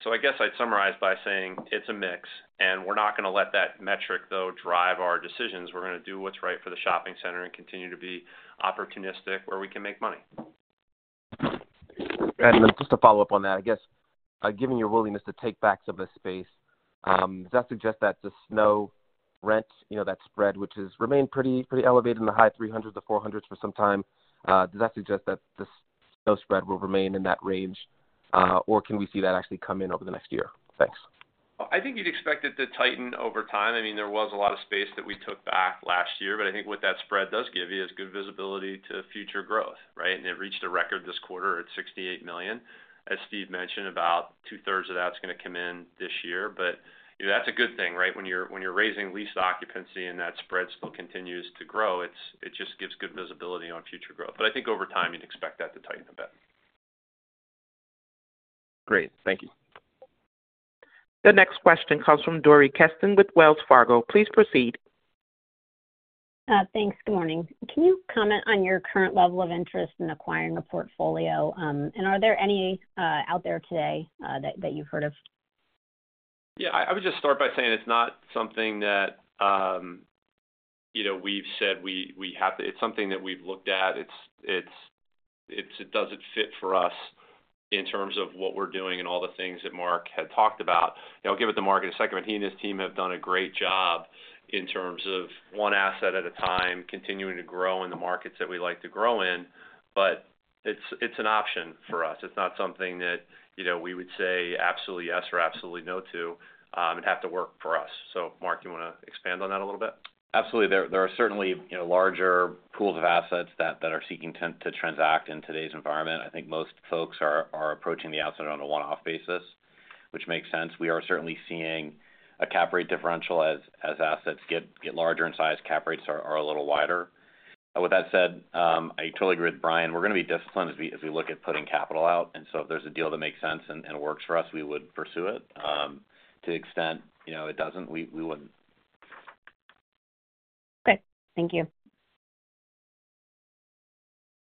Speaker 4: So I guess I'd summarize by saying it's a mix. We're not going to let that metric, though, drive our decisions. We're going to do what's right for the shopping center and continue to be opportunistic where we can make money.
Speaker 13: Brian, just to follow up on that, I guess given your willingness to take backs of the space, does that suggest that the new rent, that spread, which has remained pretty elevated in the high 300s-400s for some time, does that suggest that the new spread will remain in that range? Or can we see that actually come in over the next year? Thanks.
Speaker 4: I think you'd expect it to tighten over time. I mean, there was a lot of space that we took back last year. But I think what that spread does give you is good visibility to future growth, right? And it reached a record this quarter at $68 million. As Steve mentioned, about two-thirds of that's going to come in this year. But that's a good thing, right? When you're raising lease occupancy and that spread still continues to grow, it just gives good visibility on future growth. But I think over time, you'd expect that to tighten a bit.
Speaker 13: Great. Thank you.
Speaker 1: The next question comes from Dori Kesten with Wells Fargo. Please proceed.
Speaker 14: Thanks. Good morning. Can you comment on your current level of interest in acquiring a portfolio? And are there any out there today that you've heard of?
Speaker 4: Yeah. I would just start by saying it's not something that we've said we have to. It's something that we've looked at. It doesn't fit for us in terms of what we're doing and all the things that Mark had talked about. I'll give it to Mark in a second. But he and his team have done a great job in terms of one asset at a time, continuing to grow in the markets that we like to grow in. But it's an option for us. It's not something that we would say absolutely yes or absolutely no to and have to work for us. So Mark, you want to expand on that a little bit?
Speaker 6: Absolutely. There are certainly larger pools of assets that are seeking to transact in today's environment. I think most folks are approaching the asset on a one-off basis, which makes sense. We are certainly seeing a cap rate differential as assets get larger in size. Cap rates are a little wider. With that said, I totally agree with Brian. We're going to be disciplined as we look at putting capital out. And so if there's a deal that makes sense and works for us, we would pursue it. To the extent it doesn't, we wouldn't.
Speaker 14: Okay. Thank you.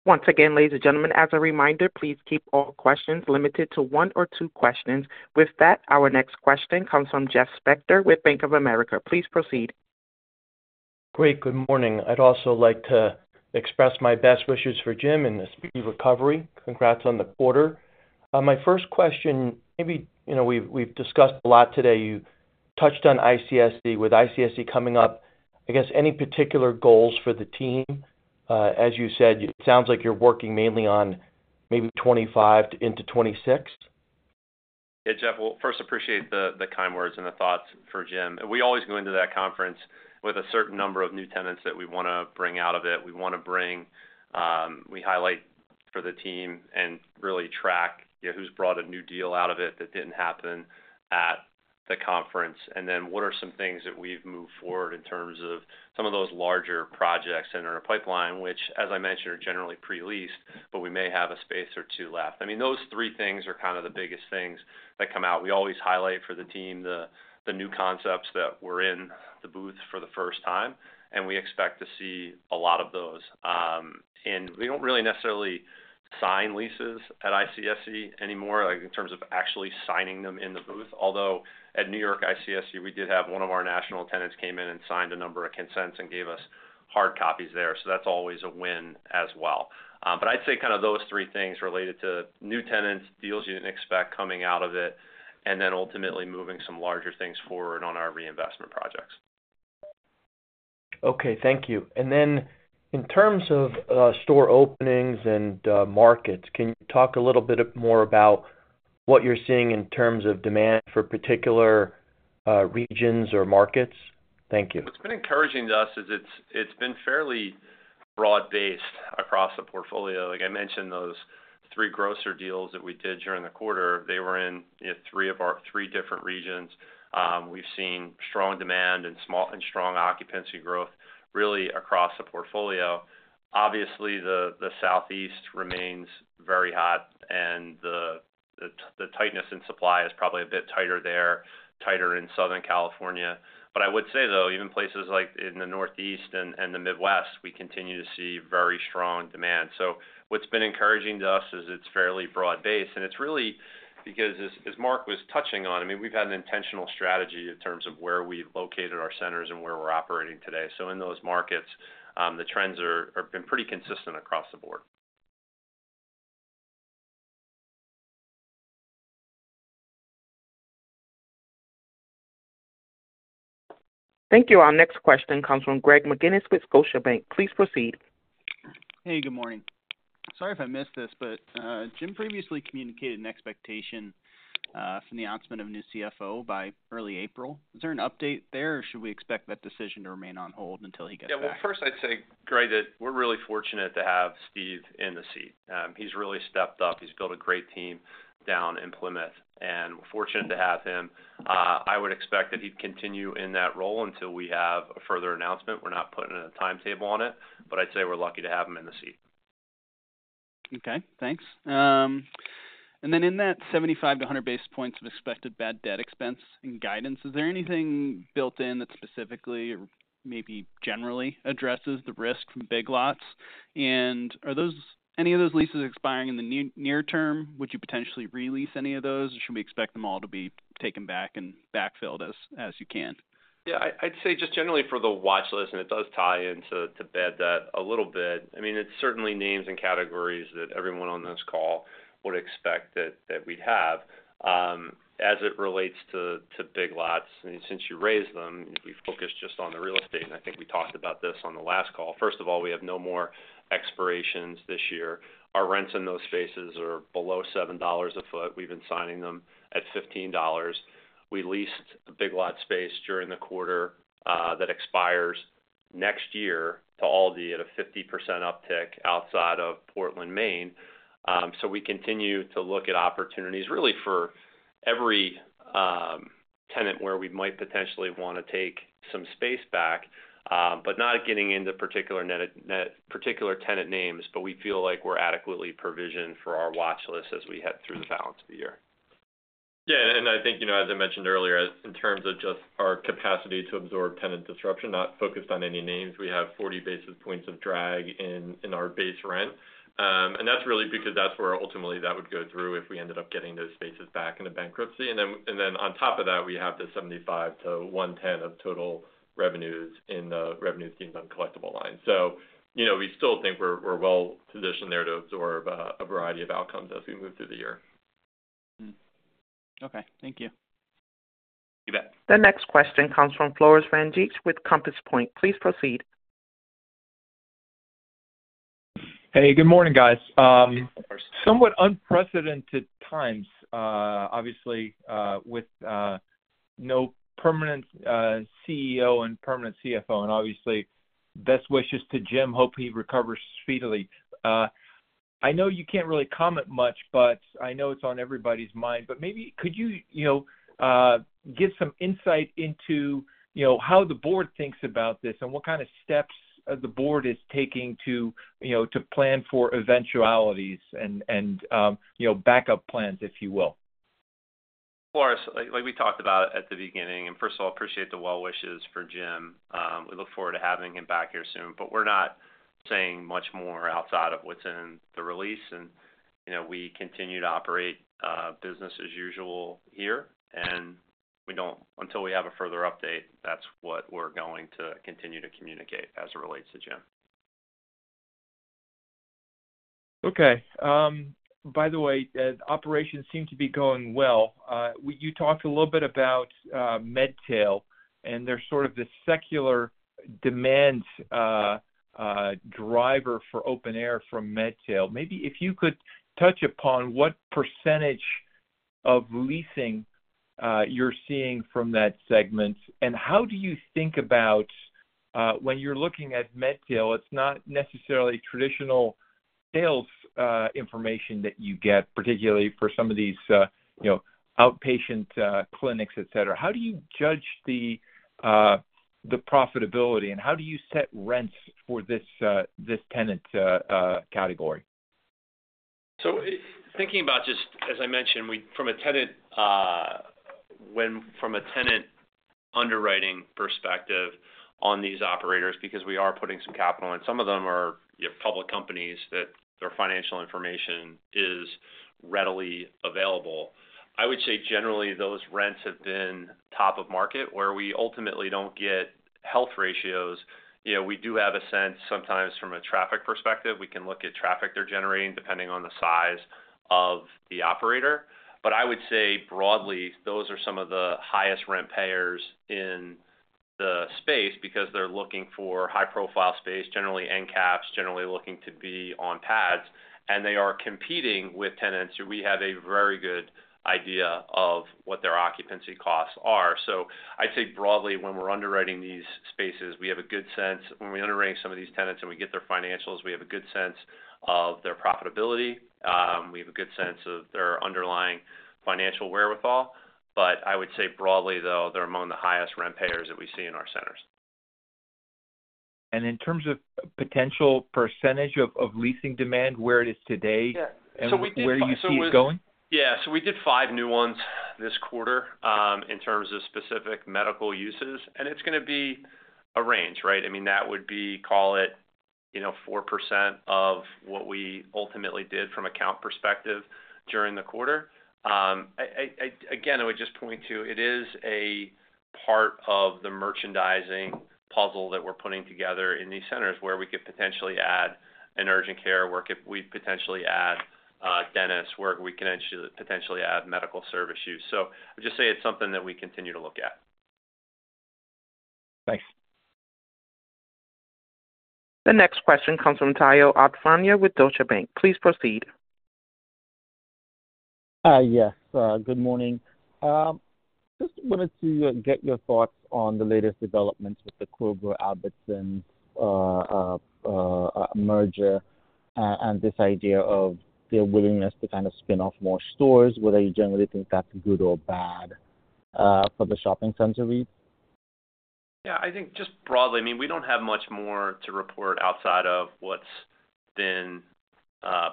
Speaker 1: Once again, ladies and gentlemen, as a reminder, please keep all questions limited to one or two questions. With that, our next question comes from Jeff Spector with Bank of America. Please proceed.
Speaker 15: Great. Good morning. I'd also like to express my best wishes for Jim and a speedy recovery. Congrats on the quarter. My first question, maybe we've discussed a lot today. You touched on ICSC. With ICSC coming up, I guess any particular goals for the team? As you said, it sounds like you're working mainly on maybe 2025 into 2026.
Speaker 4: Yeah, Jeff. Well, first, appreciate the kind words and the thoughts for Jim. We always go into that conference with a certain number of new tenants that we want to bring out of it. We want to bring, we highlight for the team and really track who's brought a new deal out of it that didn't happen at the conference. And then what are some things that we've moved forward in terms of some of those larger projects that are in our pipeline, which, as I mentioned, are generally pre-leased, but we may have a space or two left. I mean, those three things are kind of the biggest things that come out. We always highlight for the team the new concepts that were in the booth for the first time. And we expect to see a lot of those. We don't really necessarily sign leases at ICSC anymore in terms of actually signing them in the booth. Although at New York ICSC, we did have one of our national tenants came in and signed a number of consents and gave us hard copies there. So that's always a win as well. But I'd say kind of those three things related to new tenants, deals you didn't expect coming out of it, and then ultimately moving some larger things forward on our reinvestment projects.
Speaker 15: Okay. Thank you. And then in terms of store openings and markets, can you talk a little bit more about what you're seeing in terms of demand for particular regions or markets? Thank you.
Speaker 3: What's been encouraging to us is it's been fairly broad-based across the portfolio. Like I mentioned, those three grocery deals that we did during the quarter, they were in three different regions. We've seen strong demand and strong occupancy growth really across the portfolio. Obviously, the Southeast remains very hot. And the tightness in supply is probably a bit tighter there, tighter in Southern California. But I would say, though, even places like in the Northeast and the Midwest, we continue to see very strong demand. So what's been encouraging to us is it's fairly broad-based. And it's really because, as Mark was touching on, I mean, we've had an intentional strategy in terms of where we've located our centers and where we're operating today. So in those markets, the trends have been pretty consistent across the board.
Speaker 1: Thank you. Our next question comes from Greg McGinniss with Scotiabank. Please proceed.
Speaker 16: Hey. Good morning. Sorry if I missed this, but Jim previously communicated an expectation from the announcement of a new CFO by early April. Is there an update there, or should we expect that decision to remain on hold until he gets back?
Speaker 4: Yeah. Well, first, I'd say, Greg, that we're really fortunate to have Steve in the seat. He's really stepped up. He's built a great team down in Plymouth. And we're fortunate to have him. I would expect that he'd continue in that role until we have a further announcement. We're not putting a timetable on it. But I'd say we're lucky to have him in the seat.
Speaker 16: Okay. Thanks. And then in that 75-100 basis points of expected bad debt expense and guidance, is there anything built in that specifically or maybe generally addresses the risk from Big Lots? And are any of those leases expiring in the near term? Would you potentially release any of those, or should we expect them all to be taken back and backfilled as you can?
Speaker 4: Yeah. I'd say just generally for the watchlist, and it does tie into bad debt a little bit. I mean, it's certainly names and categories that everyone on this call would expect that we'd have as it relates to Big Lots. I mean, since you raised them, we focused just on the real estate. I think we talked about this on the last call. First of all, we have no more expirations this year. Our rents in those spaces are below $7 a foot. We've been signing them at $15. We leased a Big Lots space during the quarter that expires next year to Aldi at a 50% uptick outside of Portland, Maine. So we continue to look at opportunities really for every tenant where we might potentially want to take some space back, but not getting into particular tenant names. But we feel like we're adequately provisioned for our watchlist as we head through the balance of the year.
Speaker 3: Yeah. I think, as I mentioned earlier, in terms of just our capacity to absorb tenant disruption, not focused on any names, we have 40 basis points of drag in our base rent. That's really because that's where ultimately that would go through if we ended up getting those spaces back into bankruptcy. Then on top of that, we have the 75-110 of total revenues in the revenue schemes on collectible lines. We still think we're well positioned there to absorb a variety of outcomes as we move through the year.
Speaker 16: Okay. Thank you.
Speaker 4: You bet.
Speaker 1: The next question comes from Floris van Dijkum with Compass Point. Please proceed.
Speaker 17: Hey. Good morning, guys. Somewhat unprecedented times, obviously, with no permanent CEO and permanent CFO. And obviously, best wishes to Jim. Hope he recovers speedily. I know you can't really comment much, but I know it's on everybody's mind. But maybe could you give some insight into how the board thinks about this and what kind of steps the board is taking to plan for eventualities and backup plans, if you will?
Speaker 4: Of course. Like we talked about at the beginning, and first of all, appreciate the well wishes for Jim. We look forward to having him back here soon. But we're not saying much more outside of what's in the release. And we continue to operate business as usual here. And until we have a further update, that's what we're going to continue to communicate as it relates to Jim.
Speaker 17: Okay. By the way, operations seem to be going well. You talked a little bit about MedTail, and there's sort of this secular demand driver for open air from MedTail. Maybe if you could touch upon what percentage of leasing you're seeing from that segment. And how do you think about when you're looking at MedTail? It's not necessarily traditional sales information that you get, particularly for some of these outpatient clinics, etc. How do you judge the profitability? And how do you set rents for this tenant category?
Speaker 4: So thinking about just, as I mentioned, from a tenant underwriting perspective on these operators, because we are putting some capital in, some of them are public companies that their financial information is readily available. I would say generally, those rents have been top of market where we ultimately don't get health ratios. We do have a sense sometimes from a traffic perspective. We can look at traffic they're generating depending on the size of the operator. But I would say broadly, those are some of the highest rent payers in the space because they're looking for high-profile space, generally NCAPs, generally looking to be on pads. And they are competing with tenants who we have a very good idea of what their occupancy costs are. So I'd say broadly, when we're underwriting these spaces, we have a good sense. When we underwrite some of these tenants and we get their financials, we have a good sense of their profitability. We have a good sense of their underlying financial wherewithal. But I would say broadly, though, they're among the highest rent payers that we see in our centers.
Speaker 17: In terms of potential percentage of leasing demand, where it is today and where you see it going?
Speaker 4: Yeah. So we did five new ones this quarter in terms of specific medical uses. And it's going to be a range, right? I mean, that would be call it 4% of what we ultimately did from a count perspective during the quarter. Again, I would just point to it is a part of the merchandising puzzle that we're putting together in these centers where we could potentially add an urgent care or, if we potentially add dentists, where we can potentially add medical service use. So I'd just say it's something that we continue to look at.
Speaker 17: Thanks.
Speaker 1: The next question comes from Tayo Okusanya with Deutsche Bank. Please proceed.
Speaker 18: Yes. Good morning. Just wanted to get your thoughts on the latest developments with the Kroger-Albertsons merger and this idea of their willingness to kind of spin off more stores. Whether you generally think that's good or bad for the shopping center REITs?
Speaker 4: Yeah. I think just broadly, I mean, we don't have much more to report outside of what's been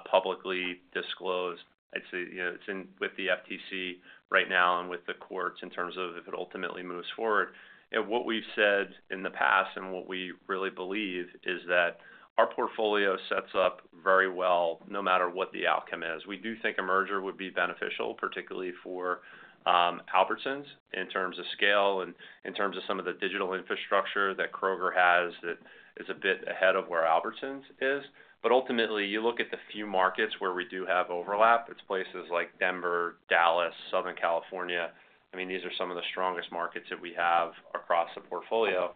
Speaker 4: publicly disclosed. I'd say it's with the FTC right now and with the courts in terms of if it ultimately moves forward. What we've said in the past and what we really believe is that our portfolio sets up very well no matter what the outcome is. We do think a merger would be beneficial, particularly for Albertsons in terms of scale and in terms of some of the digital infrastructure that Kroger has that is a bit ahead of where Albertsons is. But ultimately, you look at the few markets where we do have overlap. It's places like Denver, Dallas, Southern California. I mean, these are some of the strongest markets that we have across the portfolio.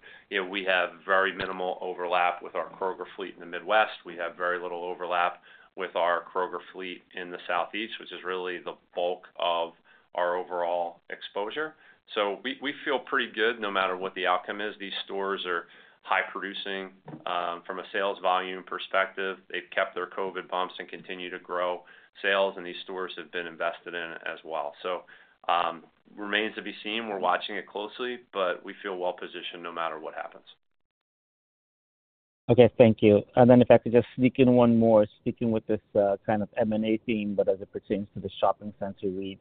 Speaker 4: We have very minimal overlap with our Kroger fleet in the Midwest. We have very little overlap with our Kroger fleet in the Southeast, which is really the bulk of our overall exposure. So we feel pretty good no matter what the outcome is. These stores are high-producing from a sales volume perspective. They've kept their COVID bumps and continue to grow sales. And these stores have been invested in as well. So remains to be seen. We're watching it closely, but we feel well positioned no matter what happens.
Speaker 18: Okay. Thank you. And then, if I could just sneak in one more, speaking with this kind of M&A theme, but as it pertains to the shopping center REITs.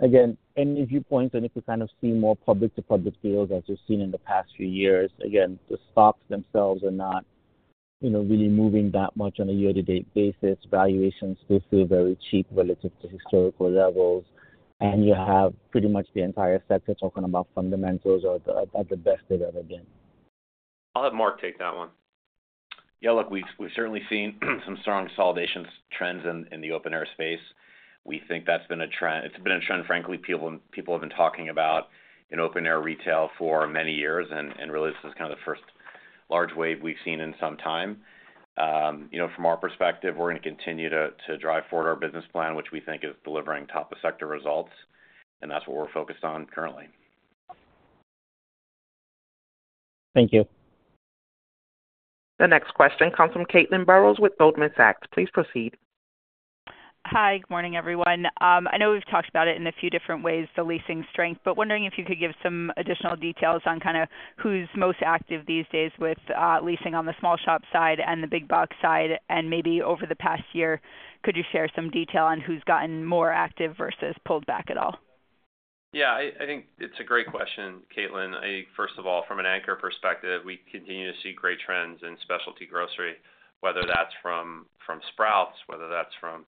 Speaker 18: Again, any viewpoints on if we kind of see more public-to-public deals as you've seen in the past few years? Again, the stocks themselves are not really moving that much on a year-to-date basis. Valuations still feel very cheap relative to historical levels. And you have pretty much the entire sector talking about fundamentals are at the best they've ever been.
Speaker 4: I'll have Mark take that one.
Speaker 6: Yeah. Look, we've certainly seen some strong consolidation trends in the open-air space. We think that's been a trend. It's been a trend, frankly, people have been talking about in open-air retail for many years. And really, this is kind of the first large wave we've seen in some time. From our perspective, we're going to continue to drive forward our business plan, which we think is delivering top-of-sector results. And that's what we're focused on currently.
Speaker 18: Thank you.
Speaker 1: The next question comes from Caitlin Burrows with Goldman Sachs. Please proceed.
Speaker 19: Hi. Good morning, everyone. I know we've talked about it in a few different ways, the leasing strength, but wondering if you could give some additional details on kind of who's most active these days with leasing on the small shop side and the big box side? Maybe over the past year, could you share some detail on who's gotten more active versus pulled back at all?
Speaker 4: Yeah. I think it's a great question, Caitlin. First of all, from an anchor perspective, we continue to see great trends in specialty grocery, whether that's from Sprouts, whether that's from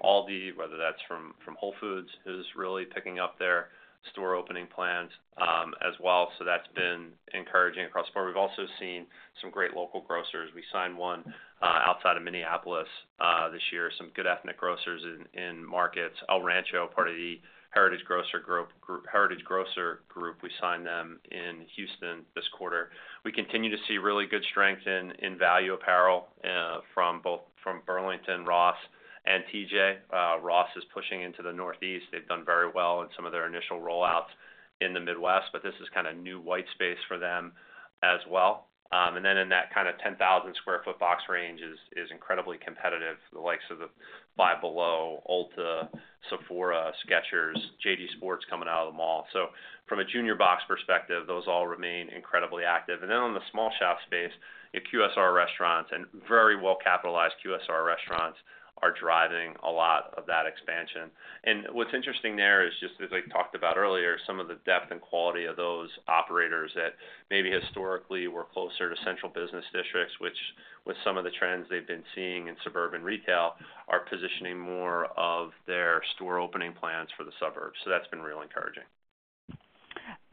Speaker 4: Aldi, whether that's from Whole Foods, who's really picking up their store opening plans as well. So that's been encouraging across the board. We've also seen some great local grocers. We signed one outside of Minneapolis this year, some good ethnic grocers in markets. El Rancho, part of the Heritage Grocers Group, we signed them in Houston this quarter. We continue to see really good strength in value apparel from both Burlington, Ross, and TJ. Ross is pushing into the Northeast. They've done very well in some of their initial rollouts in the Midwest. But this is kind of new white space for them as well. And then in that kind of 10,000 sq ft box range is incredibly competitive, the likes of the five Below, Ulta, Sephora, Skechers, JD Sports coming out of the mall. So from a junior box perspective, those all remain incredibly active. And then on the small shop space, QSR restaurants and very well-capitalized QSR restaurants are driving a lot of that expansion. And what's interesting there is just as I talked about earlier, some of the depth and quality of those operators that maybe historically were closer to central business districts, which with some of the trends they've been seeing in suburban retail are positioning more of their store opening plans for the suburbs. So that's been real encouraging.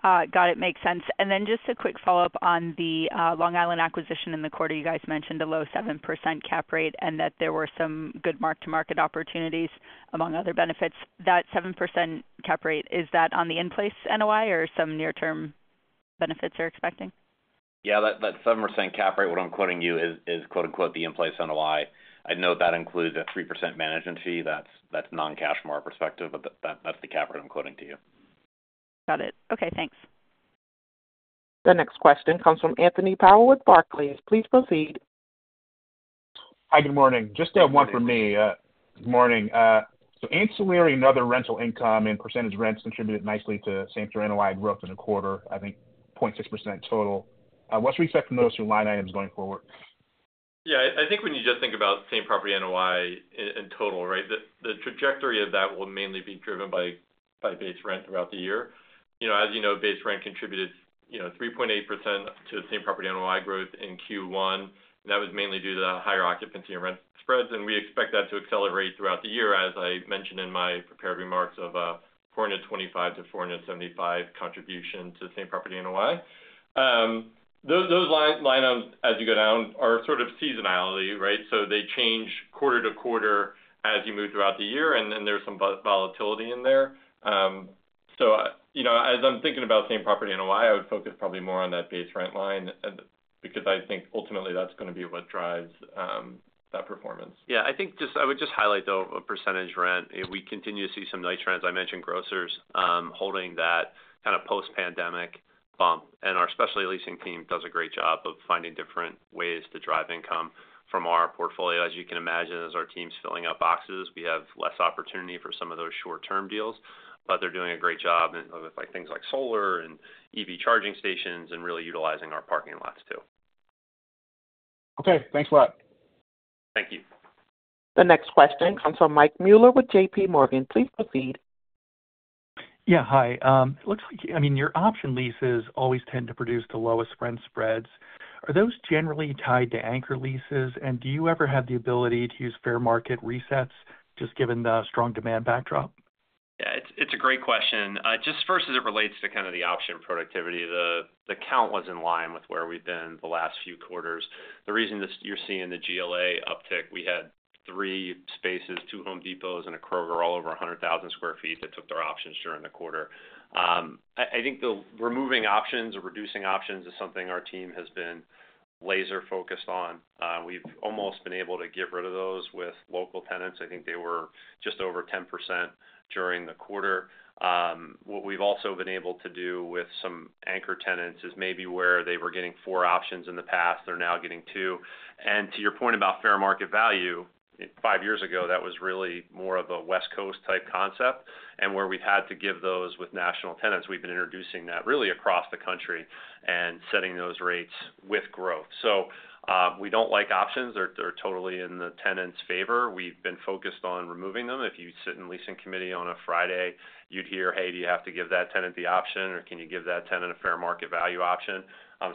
Speaker 19: Got it. Makes sense. And then just a quick follow-up on the Long Island acquisition in the quarter. You guys mentioned a low 7% cap rate and that there were some good mark-to-market opportunities among other benefits. That 7% cap rate, is that on the in-place NOI or some near-term benefits you're expecting?
Speaker 4: Yeah. That 7% cap rate, what I'm quoting you, is "the in-place NOI." I'd note that includes a 3% management fee. That's non-cash from our perspective, but that's the cap rate I'm quoting to you.
Speaker 19: Got it. Okay. Thanks.
Speaker 1: The next question comes from Anthony Powell with Barclays. Please proceed.
Speaker 20: Hi. Good morning. Just one from me. Good morning. So ancillary and other rental income and percentage rents contributed nicely to Same Property NOI growth in a quarter, I think 0.6% total. What's to expect from those two line items going forward?
Speaker 4: Yeah. I think when you just think about Same Property NOI in total, right, the trajectory of that will mainly be driven by base rent throughout the year. As you know, base rent contributed 3.8% to Same Property NOI growth in Q1. And that was mainly due to the higher occupancy and rent spreads. And we expect that to accelerate throughout the year, as I mentioned in my prepared remarks of a 425-475 contribution to Same Property NOI. Those line items, as you go down, are sort of seasonality, right? So they change quarter to quarter as you move throughout the year. And there's some volatility in there. So as I'm thinking about Same Property NOI, I would focus probably more on that base rent line because I think ultimately, that's going to be what drives that performance. Yeah. I would just highlight, though, a percentage rent. We continue to see some nice trends. I mentioned grocers holding that kind of post-pandemic bump. Our specialty leasing team does a great job of finding different ways to drive income from our portfolio. As you can imagine, as our team's filling up boxes, we have less opportunity for some of those short-term deals. But they're doing a great job with things like solar and EV charging stations and really utilizing our parking lots too.
Speaker 20: Okay. Thanks a lot.
Speaker 4: Thank you.
Speaker 1: The next question comes from Mike Mueller with JP Morgan. Please proceed.
Speaker 21: Yeah. Hi. It looks like, I mean, your option leases always tend to produce the lowest rent spreads. Are those generally tied to anchor leases? And do you ever have the ability to use fair market resets just given the strong demand backdrop?
Speaker 4: Yeah. It's a great question. Just first, as it relates to kind of the option productivity, the count was in line with where we've been the last few quarters. The reason you're seeing the GLA uptick, we had three spaces, two Home Depots, and one Kroger all over 100,000 sq ft that took their options during the quarter. I think the removing options or reducing options is something our team has been laser-focused on. We've almost been able to get rid of those with local tenants. I think they were just over 10% during the quarter. What we've also been able to do with some anchor tenants is maybe where they were getting four options in the past, they're now getting two. And to your point about fair market value, five years ago, that was really more of a West Coast type concept. Where we've had to give those with national tenants, we've been introducing that really across the country and setting those rates with growth. So we don't like options. They're totally in the tenant's favor. We've been focused on removing them. If you sit in leasing committee on a Friday, you'd hear, "Hey, do you have to give that tenant the option, or can you give that tenant a fair market value option?"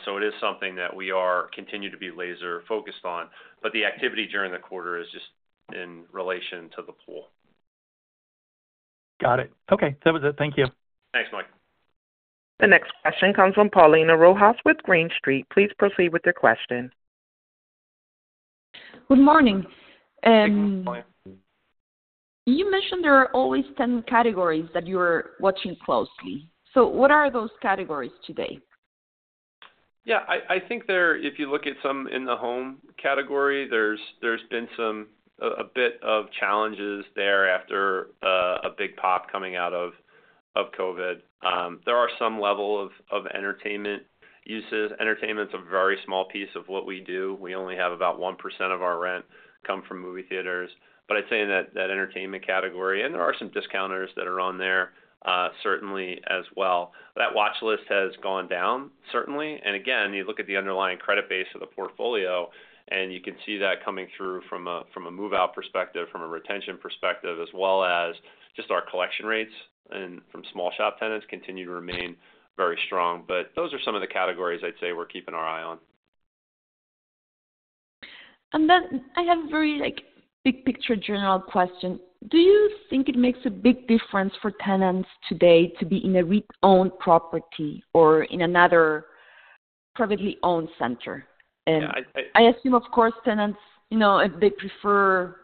Speaker 4: So it is something that we continue to be laser-focused on. But the activity during the quarter is just in relation to the pool.
Speaker 21: Got it. Okay. That was it. Thank you.
Speaker 4: Thanks, Mike.
Speaker 1: The next question comes from Paulina Rojas with Green Street. Please proceed with your question.
Speaker 22: Good morning.
Speaker 4: Thank you, Paulina.
Speaker 22: You mentioned there are always 10 categories that you're watching closely. What are those categories today?
Speaker 4: Yeah. I think if you look at some in the home category, there's been a bit of challenges there after a big pop coming out of COVID. There are some level of entertainment uses. Entertainment's a very small piece of what we do. We only have about 1% of our rent come from movie theaters. But I'd say in that entertainment category, and there are some discounters that are on there certainly as well. That watchlist has gone down, certainly. And again, you look at the underlying credit base of the portfolio, and you can see that coming through from a move-out perspective, from a retention perspective, as well as just our collection rates from small shop tenants continue to remain very strong. But those are some of the categories I'd say we're keeping our eye on.
Speaker 22: Then I have a very big-picture, general question. Do you think it makes a big difference for tenants today to be in a REIT-owned property or in another privately owned center? I assume, of course, tenants, they prefer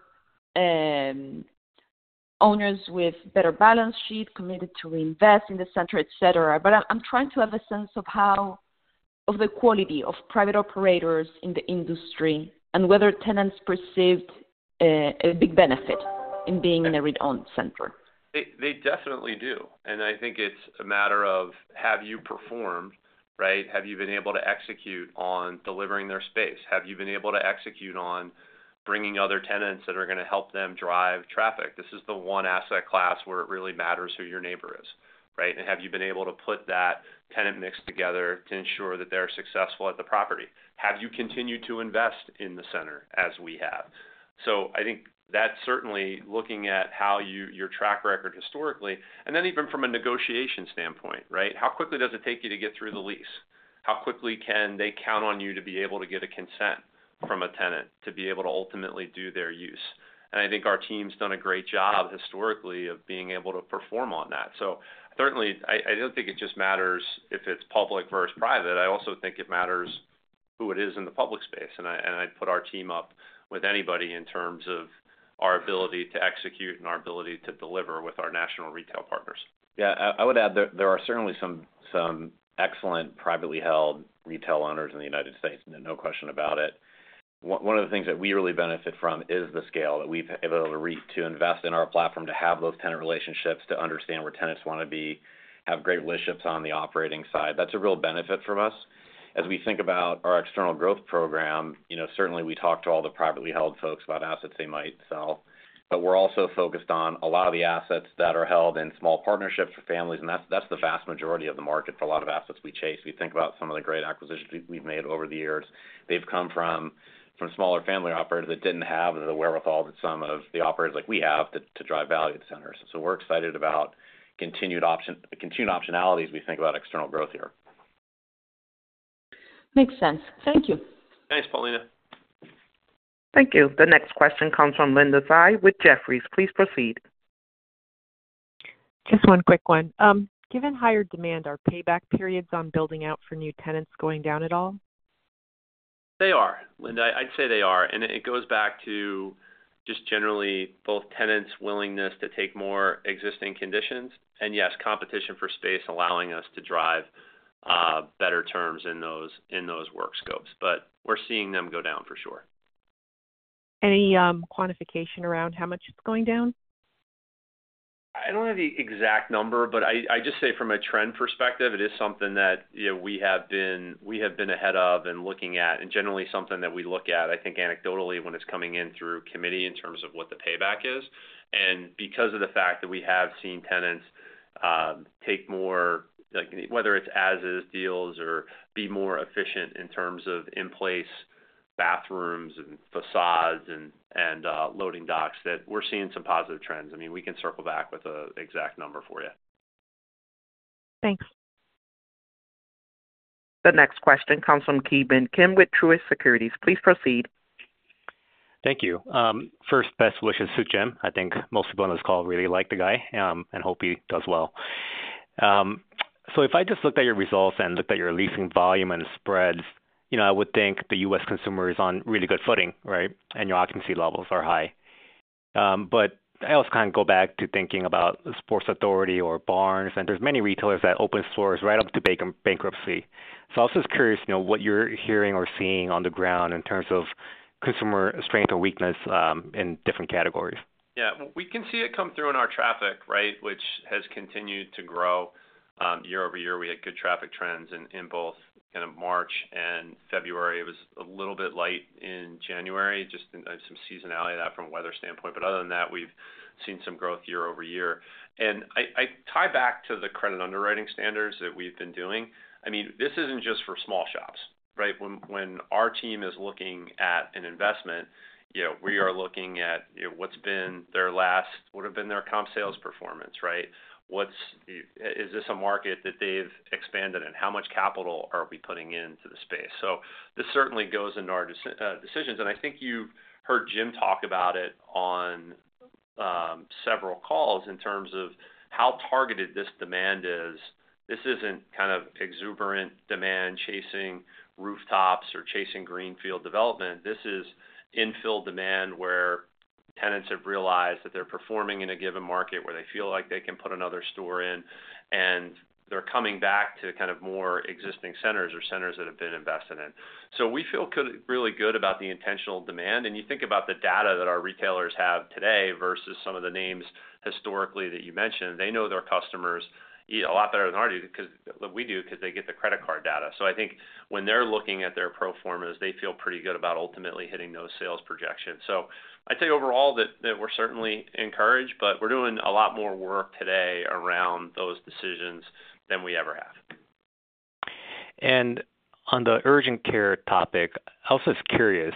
Speaker 22: owners with better balance sheet, committed to reinvest in the center, etc. But I'm trying to have a sense of the quality of private operators in the industry and whether tenants perceived a big benefit in being in a REIT-owned center.
Speaker 4: They definitely do. I think it's a matter of have you performed, right? Have you been able to execute on delivering their space? Have you been able to execute on bringing other tenants that are going to help them drive traffic? This is the one asset class where it really matters who your neighbor is, right? Have you been able to put that tenant mix together to ensure that they're successful at the property? Have you continued to invest in the center as we have? I think that's certainly looking at your track record historically. Then even from a negotiation standpoint, right, how quickly does it take you to get through the lease? How quickly can they count on you to be able to get a consent from a tenant to be able to ultimately do their use? I think our team's done a great job historically of being able to perform on that. Certainly, I don't think it just matters if it's public versus private. I also think it matters who it is in the public space. I'd put our team up with anybody in terms of our ability to execute and our ability to deliver with our national retail partners.
Speaker 6: Yeah. I would add there are certainly some excellent privately held retail owners in the United States. No question about it. One of the things that we really benefit from is the scale that we've been able to reach to invest in our platform, to have those tenant relationships, to understand where tenants want to be, have great relationships on the operating side. That's a real benefit for us. As we think about our external growth program, certainly, we talk to all the privately held folks about assets they might sell. But we're also focused on a lot of the assets that are held in small partnerships for families. And that's the vast majority of the market for a lot of assets we chase. We think about some of the great acquisitions we've made over the years. They've come from smaller family operators that didn't have the wherewithal that some of the operators like we have to drive value at the center. So we're excited about continued optionalities we think about external growth here.
Speaker 22: Makes sense. Thank you.
Speaker 4: Thanks, Paulina.
Speaker 1: Thank you. The next question comes from Linda Tsai with Jefferies. Please proceed.
Speaker 23: Just one quick one. Given higher demand, are payback periods on building out for new tenants going down at all?
Speaker 4: They are, Linda. I'd say they are. And it goes back to just generally both tenants' willingness to take more existing conditions and, yes, competition for space allowing us to drive better terms in those work scopes. But we're seeing them go down for sure.
Speaker 23: Any quantification around how much it's going down?
Speaker 4: I don't have the exact number. But I just say from a trend perspective, it is something that we have been ahead of and looking at and generally something that we look at, I think, anecdotally when it's coming in through committee in terms of what the payback is. And because of the fact that we have seen tenants take more, whether it's as-is deals or be more efficient in terms of in-place bathrooms and facades and loading docks, that we're seeing some positive trends. I mean, we can circle back with an exact number for you.
Speaker 23: Thanks.
Speaker 1: The next question comes from Ki Bin Kim with Truist Securities. Please proceed.
Speaker 24: Thank you. First best wishes for Jim. I think most people on this call really like the guy and hope he does well. So if I just looked at your results and looked at your leasing volume and spreads, I would think the U.S. consumer is on really good footing, right, and your occupancy levels are high. But I also kind of go back to thinking about Sports Authority or Barns. And there's many retailers that open stores right up to bankruptcy. So I was just curious what you're hearing or seeing on the ground in terms of consumer strength or weakness in different categories.
Speaker 4: Yeah. We can see it come through in our traffic, right, which has continued to grow year-over-year. We had good traffic trends in both kind of March and February. It was a little bit light in January, just some seasonality of that from a weather standpoint. But other than that, we've seen some growth year-over-year. And I tie back to the credit underwriting standards that we've been doing. I mean, this isn't just for small shops, right? When our team is looking at an investment, we are looking at what's been their last what have been their comp sales performance, right? Is this a market that they've expanded in? How much capital are we putting into the space? So this certainly goes into our decisions. And I think you've heard Jim talk about it on several calls in terms of how targeted this demand is. This isn't kind of exuberant demand chasing rooftops or chasing greenfield development. This is infill demand where tenants have realized that they're performing in a given market where they feel like they can put another store in, and they're coming back to kind of more existing centers or centers that have been invested in. So we feel really good about the intentional demand. And you think about the data that our retailers have today versus some of the names historically that you mentioned, they know their customers a lot better than we do because they get the credit card data. So I think when they're looking at their pro formas, they feel pretty good about ultimately hitting those sales projections. So I'd say overall that we're certainly encouraged, but we're doing a lot more work today around those decisions than we ever have.
Speaker 24: On the urgent care topic, I also was curious.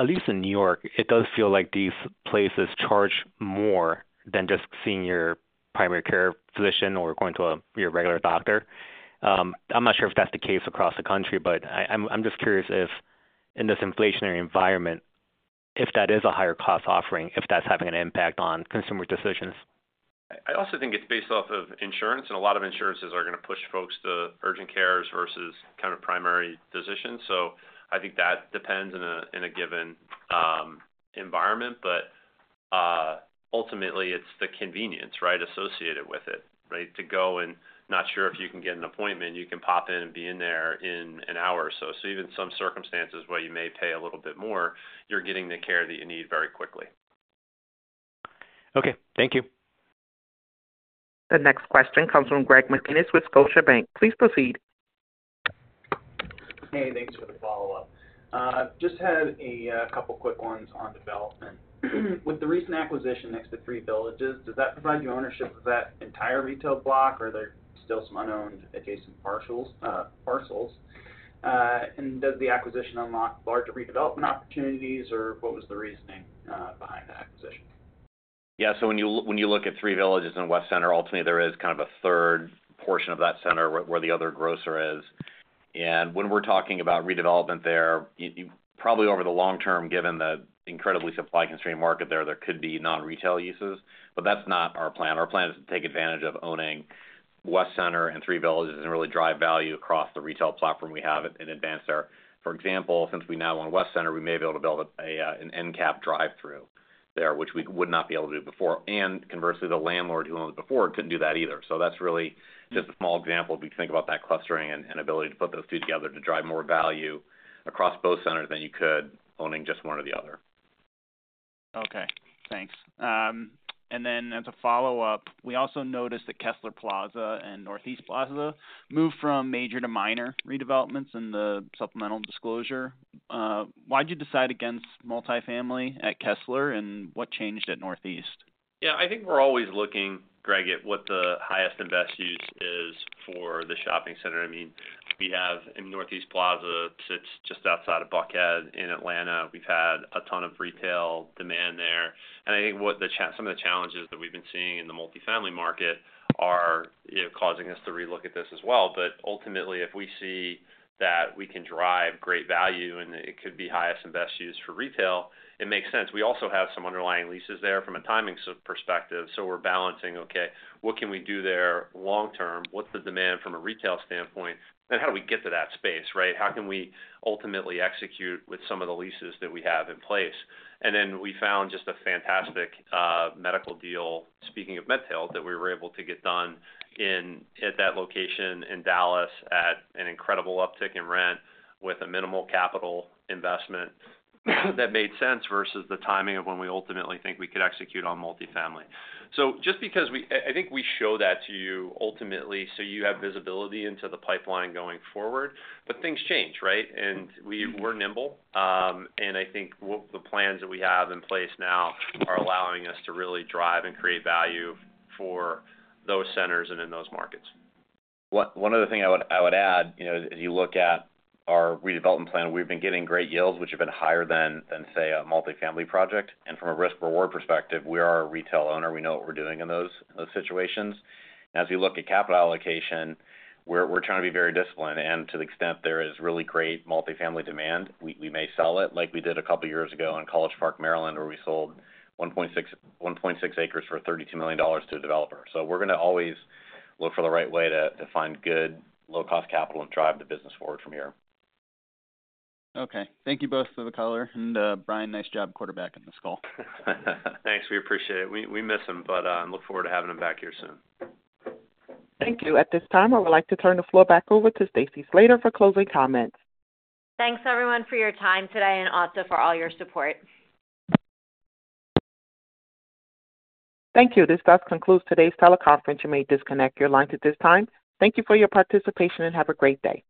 Speaker 24: At least in New York, it does feel like these places charge more than just seeing your primary care physician or going to your regular doctor. I'm not sure if that's the case across the country, but I'm just curious if in this inflationary environment, if that is a higher-cost offering, if that's having an impact on consumer decisions?
Speaker 4: I also think it's based off of insurance. And a lot of insurances are going to push folks to urgent cares versus kind of primary physicians. So I think that depends in a given environment. But ultimately, it's the convenience, right, associated with it, right? To go and not sure if you can get an appointment, you can pop in and be in there in an hour or so. So even some circumstances where you may pay a little bit more, you're getting the care that you need very quickly.
Speaker 24: Okay. Thank you.
Speaker 1: The next question comes from Greg McGinniss with Scotiabank. Please proceed.
Speaker 16: Hey. Thanks for the follow-up. Just had a couple of quick ones on development. With the recent acquisition next to Three Villages, does that provide you ownership of that entire retail block, or are there still some unowned adjacent parcels? And does the acquisition unlock larger redevelopment opportunities, or what was the reasoning behind the acquisition?
Speaker 6: Yeah. So when you look at Three Villages and West Center, ultimately, there is kind of a third portion of that center where the other grocer is. And when we're talking about redevelopment there, probably over the long term, given the incredibly supply-constrained market there, there could be non-retail uses. But that's not our plan. Our plan is to take advantage of owning West Center and Three Villages and really drive value across the retail platform we have and advance there. For example, since we now own West Center, we may be able to build an end-cap drive-through there, which we would not be able to do before. And conversely, the landlord who owned it before couldn't do that either. That's really just a small example if you think about that clustering and ability to put those two together to drive more value across both centers than you could owning just one or the other.
Speaker 24: Okay. Thanks. And then as a follow-up, we also noticed that Kessler Plaza and Northeast Plaza moved from major to minor redevelopments in the supplemental disclosure. Why did you decide against multifamily at Kessler, and what changed at Northeast?
Speaker 4: Yeah. I think we're always looking, Greg, at what the highest and best use is for the shopping center. I mean, we have Northeast Plaza sits just outside of Buckhead in Atlanta. We've had a ton of retail demand there. And I think some of the challenges that we've been seeing in the multifamily market are causing us to relook at this as well. But ultimately, if we see that we can drive great value and it could be highest and best use for retail, it makes sense. We also have some underlying leases there from a timing perspective. So we're balancing, okay, what can we do there long-term? What's the demand from a retail standpoint? And how do we get to that space, right? How can we ultimately execute with some of the leases that we have in place? We found just a fantastic medical deal, speaking of MedTail, that we were able to get done at that location in Dallas at an incredible uptick in rent with a minimal capital investment that made sense versus the timing of when we ultimately think we could execute on multifamily. So just because I think we show that to you ultimately so you have visibility into the pipeline going forward. But things change, right? We're nimble. I think the plans that we have in place now are allowing us to really drive and create value for those centers and in those markets.
Speaker 6: One other thing I would add, as you look at our redevelopment plan, we've been getting great yields, which have been higher than, say, a multifamily project. And from a risk-reward perspective, we are a retail owner. We know what we're doing in those situations. And as we look at capital allocation, we're trying to be very disciplined. And to the extent there is really great multifamily demand, we may sell it like we did a couple of years ago in College Park, Maryland, where we sold 1.6 acres for $32 million to a developer. So we're going to always look for the right way to find good, low-cost capital and drive the business forward from here.
Speaker 24: Okay. Thank you both for the color. Brian, nice job quarterbacking this call.
Speaker 4: Thanks. We appreciate it. We miss him, but look forward to having him back here soon.
Speaker 1: Thank you. At this time, I would like to turn the floor back over to Stacy Slater for closing comments.
Speaker 2: Thanks, everyone, for your time today and also for all your support.
Speaker 1: Thank you. This thus concludes today's teleconference. You may disconnect your lines at this time. Thank you for your participation, and have a great day.